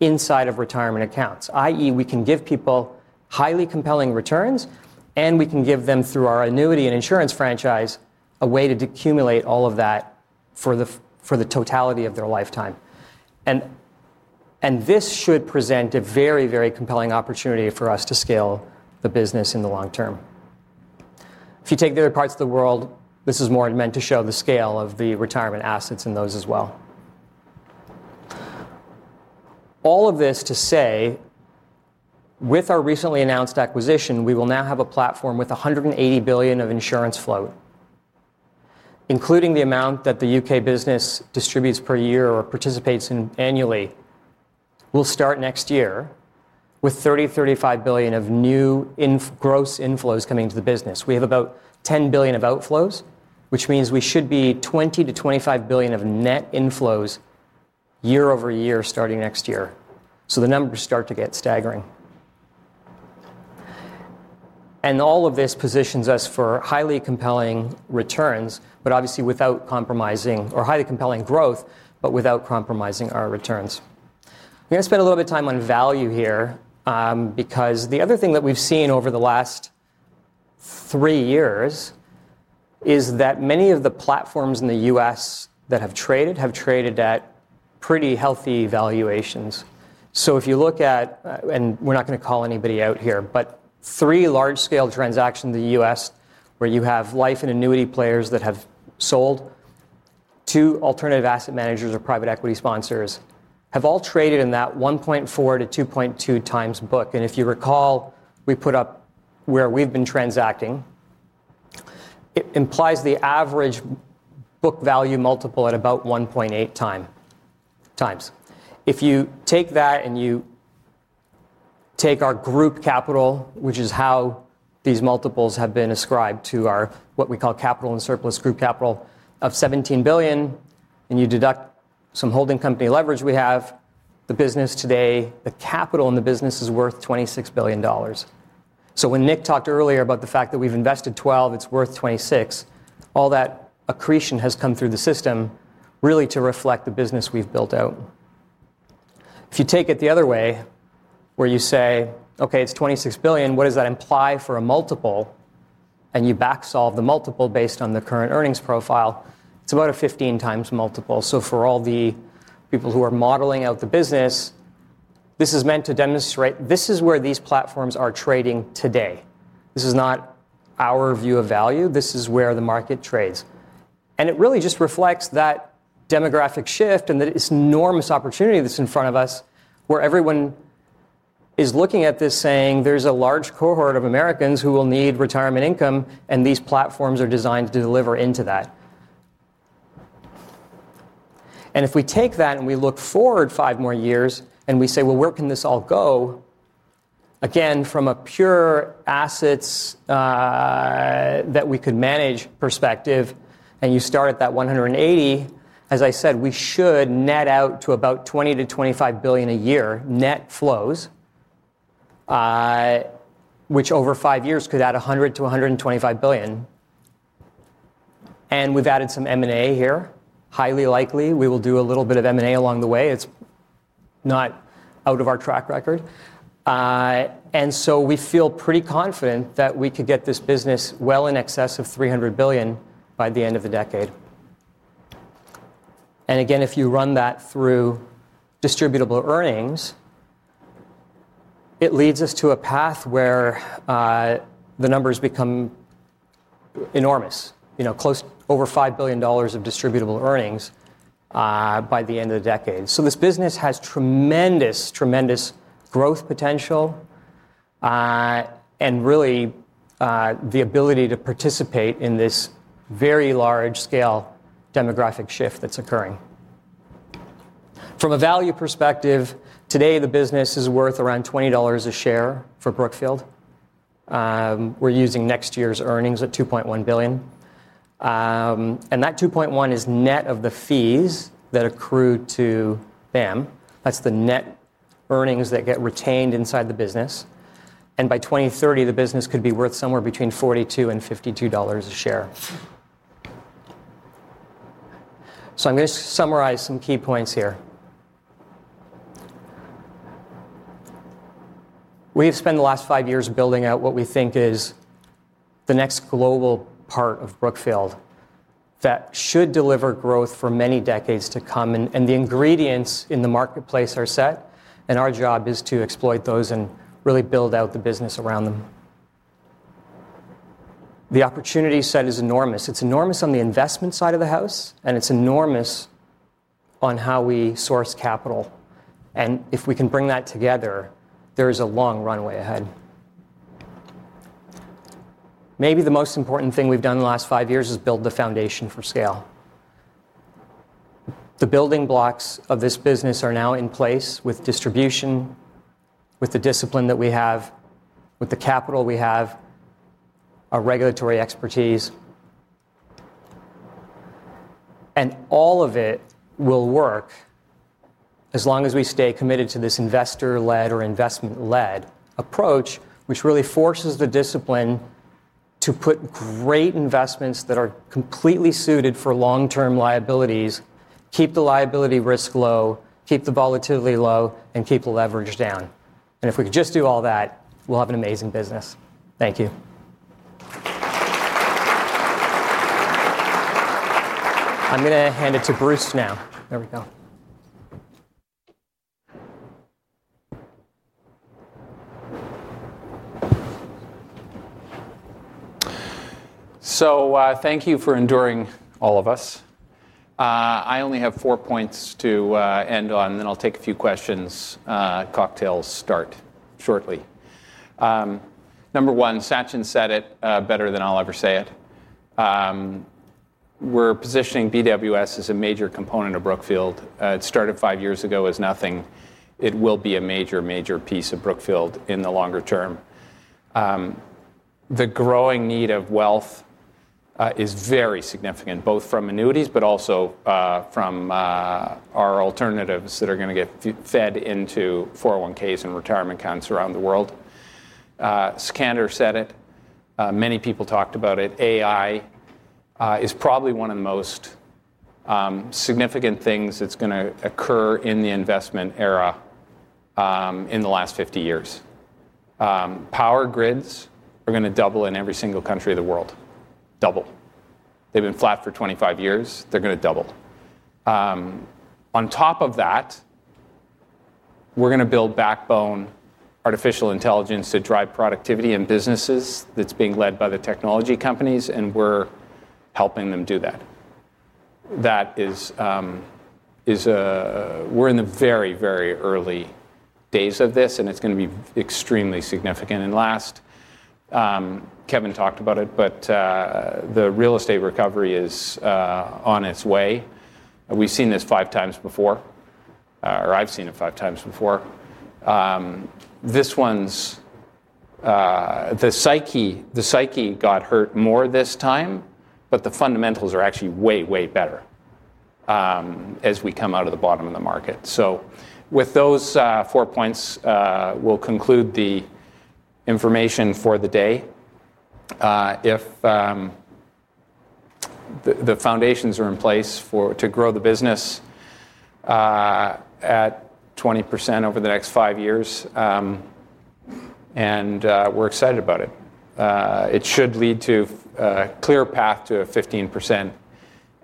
inside of retirement accounts. We can give people highly compelling returns, and we can give them, through our annuity and insurance franchise, a way to accumulate all of that for the totality of their lifetime. This should present a very, very compelling opportunity for us to scale the business in the long term. If you take the other parts of the world, this is more meant to show the scale of the retirement assets in those as well. All of this to say, with our recently announced acquisition, we will now have a platform with 180 billion of insurance flow, including the amount that the U.K. business distributes per year or participates in annually. We'll start next year with 30 billion-35 billion of new gross inflows coming into the business. We have about 10 billion of outflows, which means we should be 20 billion-25 billion of net inflows year over year, starting next year. The numbers start to get staggering. All of this positions us for highly compelling returns, obviously without compromising or highly compelling growth, but without compromising our returns. I'm going to spend a little bit of time on value here because the other thing that we've seen over the last three years is that many of the platforms in the U.S. that have traded have traded at pretty healthy valuations. If you look at, and we're not going to call anybody out here, three large-scale transactions in the U.S. where you have life and annuity players that have sold to alternative asset managers or private equity sponsors have all traded in that 1.4x-2.2x book. If you recall, we put up where we've been transacting. It implies the average book value multiple at about 1.8x. If you take that and you take our group capital, which is how these multiples have been ascribed to our, what we call, capital and surplus group capital of 17 billion, and you deduct some holding company leverage we have, the business today, the capital in the business is worth 26 billion dollars. When Nick talked earlier about the fact that we've invested 12 billion, it's worth 26 billion, all that accretion has come through the system really to reflect the business we've built out. If you take it the other way, where you say, OK, it's 26 billion, what does that imply for a multiple? You backsolve the multiple based on the current earnings profile. It's about a 15x multiple. For all the people who are modeling out the business, this is meant to demonstrate this is where these platforms are trading today. This is not our view of value. This is where the market trades, and it really just reflects that demographic shift and that enormous opportunity that's in front of us, where everyone is looking at this saying there's a large cohort of Americans who will need retirement income, and these platforms are designed to deliver into that. If we take that and we look forward five more years and we say, where can this all go? Again, from a pure assets that we could manage perspective, and you start at that 180, as I said, we should net out to about 20 billion-25 billion a year, net flows, which over five years could add 100 billion-125 billion. We've added some M&A here. Highly likely, we will do a little bit of M&A along the way. It's not out of our track record, and we feel pretty confident that we could get this business well in excess of 300 billion by the end of decade. if you run that through distributable earnings, it leads us to a path where the numbers become enormous, close to over 5 billion dollars of distributable earnings by the end of decade. this business has tremendous, tremendous growth potential and really the ability to participate in this very large-scale demographic shift that's occurring. From a value perspective, today the business is worth around 20 dollars a share for Brookfield. We're using next year's earnings at 2.1 billion, and that 2.1 billion is net of the fees that accrued to BAM. That's the net earnings that get retained inside the business. By 2030, the business could be worth somewhere between 42 and 52 dollars a share. I'm going to summarize some key points here. We have spent the last five years building out what we think is the next global part of Brookfield that should deliver growth for decades to come. The ingredients in the marketplace are set, and our job is to exploit those and really build out the business around them. The opportunity set is enormous. It's enormous on the investment side of the house, and it's enormous on how we source capital. If we can bring that together, there is a long runway ahead. Maybe the most important thing we've done in the last five years is build the foundation for scale. The building blocks of this business are now in place with distribution, with the discipline that we have, with the capital we have, our regulatory expertise. All of it will work as long as we stay committed to this investor-led or investment-led approach, which really forces the discipline to put great investments that are completely suited for long-term liabilities, keep the liability risk low, keep the volatility low, and keep the leverage down. If we could just do all that, we'll have an amazing business. Thank you. I'm going to hand it to Bruce now. There we go. Thank you for enduring all of us. I only have four points to end on, and then I'll take a few questions. Cocktails start shortly. Number one, Sachin Shah said it better than I'll ever say it. We're positioning Brookfield Wealth Solutions as a major component of Brookfield. It started five years ago as nothing. It will be a major, major piece of Brookfield in the longer term. The growing need of wealth is very significant, both from annuities, but also from our alternatives that are going to get fed into 401(k)s and retirement accounts around the world. Sikander said it. Many people talked about it. AI is probably one of the most significant things that's going to occur in the investment era in the last 50 years. Power grids are going to double in every single country of the world, doubled. They've been flat for 25 years. They're going to double. On top of that, we're going to build backbone artificial intelligence to drive productivity in businesses that's being led by the technology companies, and we're helping them do that. We're in the very, very early days of this, and it's going to be extremely significant. Last, Kevin talked about it, but the real estate recovery is on its way. We've seen this five times before, or I've seen it five times before. This time the psyche got hurt more. The fundamentals are actually way, way better as we come out of the bottom of the market. With those four points, we'll conclude the information for the day. The foundations are in place to grow the business at 20% over the next five years, and we're excited about it. It should lead to a clear path to a 15%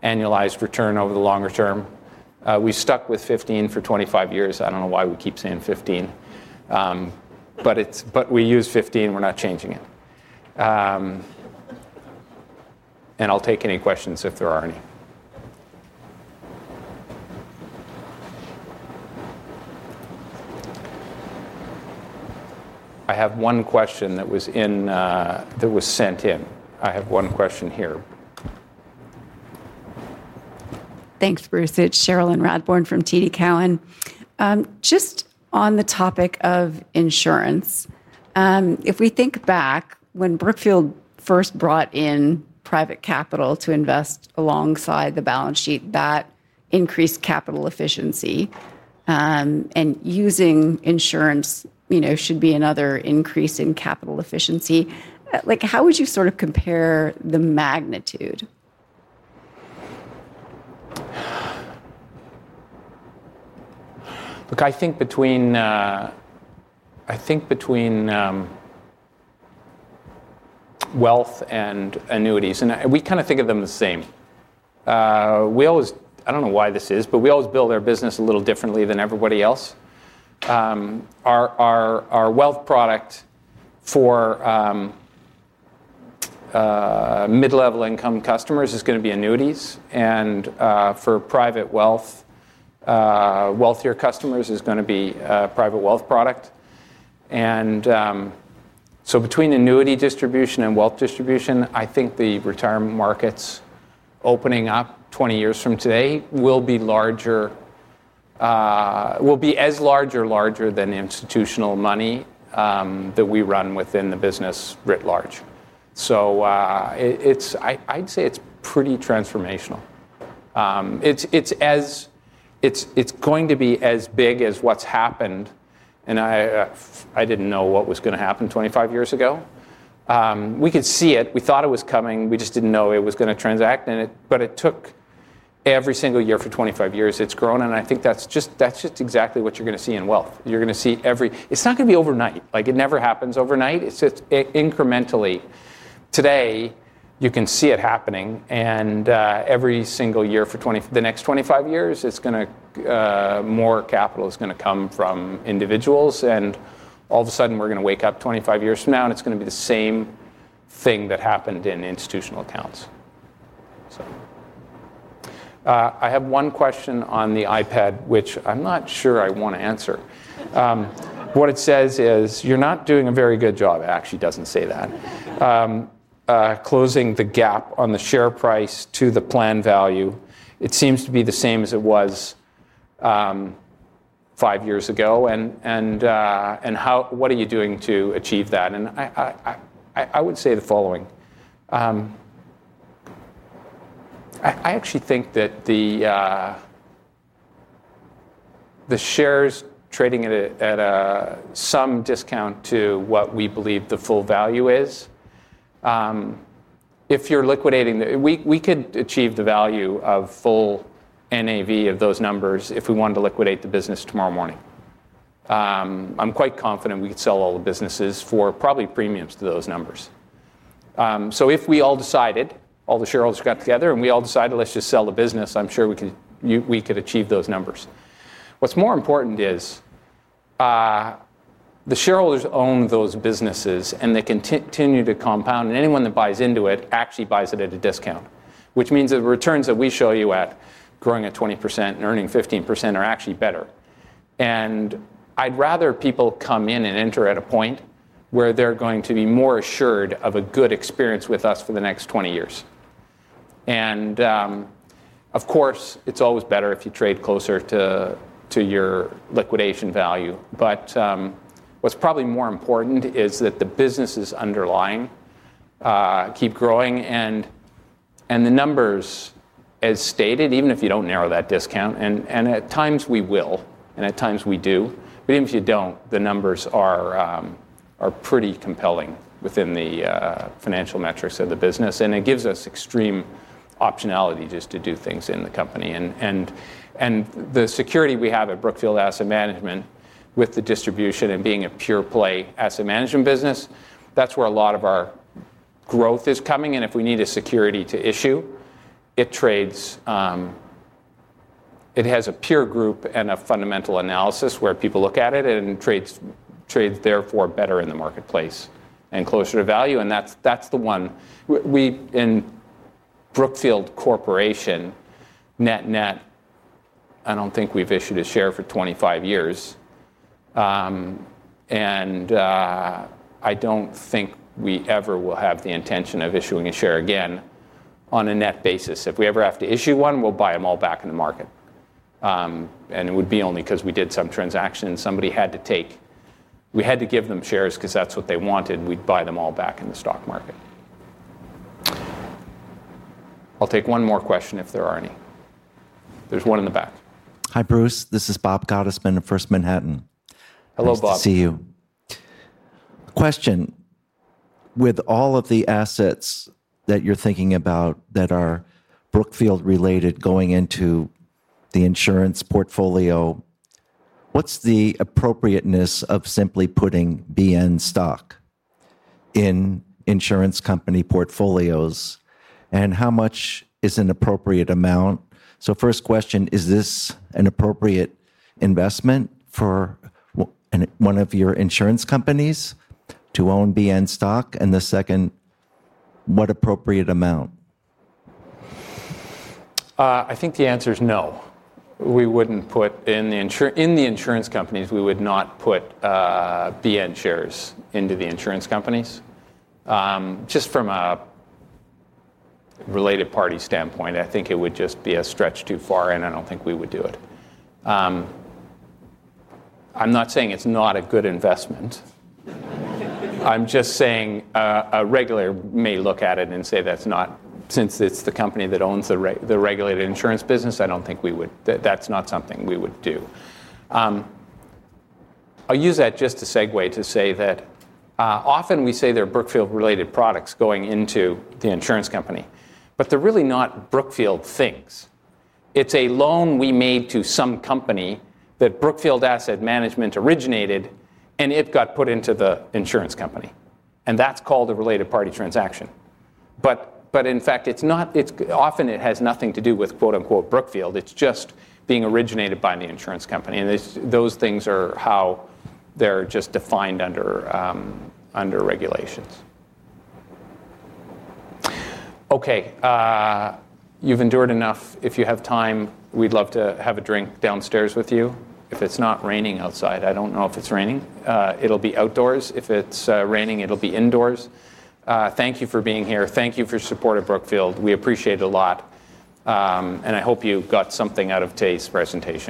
annualized return over the longer-term. We stuck with 15% for 25 years. I don't know why we keep saying 15%, but we use 15%. We're not changing it. I'll take any questions if there are any. I have one question that was sent in. I have one question here. Thanks, Bruce. It's Cherilyn Radbourne from TD Cowen. Just on the topic of insurance, if we think back when Brookfield first brought in private capital to invest alongside the balance sheet, that increased capital efficiency. Using insurance should be another increase in capital efficiency. How would you sort of compare the magnitude? Look, I think between wealth and annuities, and we kind of think of them the same, I don't know why this is, but we always build our business a little differently than everybody else. Our wealth product for mid-level income customers is going to be annuities, and for private wealth, wealthier customers, it's going to be a private wealth product. Between annuity distribution and wealth distribution, I think the retirement markets opening up 20 years from today will be as large or larger than the institutional money that we run within the business writ large. I'd say it's pretty transformational. It's going to be as big as what's happened. I didn't know what was going to happen 25 years ago. We could see it. We thought it was coming. We just didn't know it was going to transact. It took every single year for 25 years. It's grown. I think that's just exactly what you're going to see in wealth. You're going to see every, it's not going to be overnight, like it never happens overnight. It's just incrementally. Today, you can see it happening, and every single year for the next 25 years, more capital is going to come from individuals. All of a sudden, we're going to wake up 25 years from now, and it's going to be the same thing that happened in institutional accounts. I have one question on the iPad, which I'm not sure I want to answer. What it says is you're not doing a very good job. It actually doesn't say that. Closing the gap on the share price to the planned value, it seems to be the same as it was five years ago. What are you doing to achieve that? I would say the following. I actually think that the shares trading at some discount to what we believe the full value is, if you're liquidating, we could achieve the value of full NAV of those numbers if we wanted to liquidate the business tomorrow morning. I'm quite confident we could sell all the businesses for probably premiums to those numbers. If we all decided, all the shareholders got together and we all decided, let's just sell the business, I'm sure we could achieve those numbers. What's more important is the shareholders own those businesses, and they can continue to compound. Anyone that buys into it actually buys it at a discount, which means the returns that we show you at growing at 20% and earning 15% are actually better. I would rather people come in and enter at a point where they're going to be more assured of a good experience with us for the next 20 years. Of course, it's always better if you trade closer to your liquidation value. What's probably more important is that the businesses underlying keep growing. The numbers, as stated, even if you don't narrow that discount, and at times we will and at times we do, but even if you don't, the numbers are pretty compelling within the financial metrics of the business. It gives us extreme optionality just to do things in the company. The security we have at Brookfield Asset Management with the distribution and being a pure play asset management business, that's where a lot of our growth is coming. If we need a security to issue, it has a pure group and a fundamental analysis where people look at it and it trades, therefore, better in the marketplace and closer to value. That's the one. We in Brookfield Corporation, net net, I don't think we've issued a share for 25 years. I don't think we ever will have the intention of issuing a share again on a net basis. If we ever have to issue one, we'll buy them all back in the market. It would be only because we did some transactions. Somebody had to take, we had to give them shares because that's what they wanted, and we'd buy them all back in the stock market. I'll take one more question if there are any. There's one in the back. Hi, Bruce. This is Bob Gottesman of First Manhattan. Hello, Bob. Good to see you. Question. With all of the assets that you're thinking about that are Brookfield related going into the insurance portfolio, what's the appropriateness of simply putting BN stock in insurance company portfolios? How much is an appropriate amount? First question, is this an appropriate investment for one of your insurance companies to own BN stock? The second, what appropriate amount? I think the answer is no. We wouldn't put in the insurance companies, we would not put BN shares into the insurance companies. Just from a related party standpoint, I think it would just be a stretch too far. I don't think we would do it. I'm not saying it's not a good investment. I'm just saying a regulator may look at it and say that's not, since it's the company that owns the regulated insurance business. I don't think we would, that's not something we would do. I'll use that just to segue to say that often we say there are Brookfield-related products going into the insurance company, but they're really not Brookfield things. It's a loan we made to some company that Brookfield Asset Management originated, and it got put into the insurance company. That's called a related party transaction, but in fact, it's not. Often it has nothing to do with, quote unquote, "Brookfield." It's just being originated by the insurance company, and those things are how they're just defined under regulations. OK. You've endured enough. If you have time, we'd love to have a drink downstairs with you. If it's not raining outside, I don't know if it's raining. It'll be outdoors. If it's raining, it'll be indoors. Thank you for being here. Thank you for your support of Brookfield. We appreciate it a lot, and I hope you got something out of today's presentation.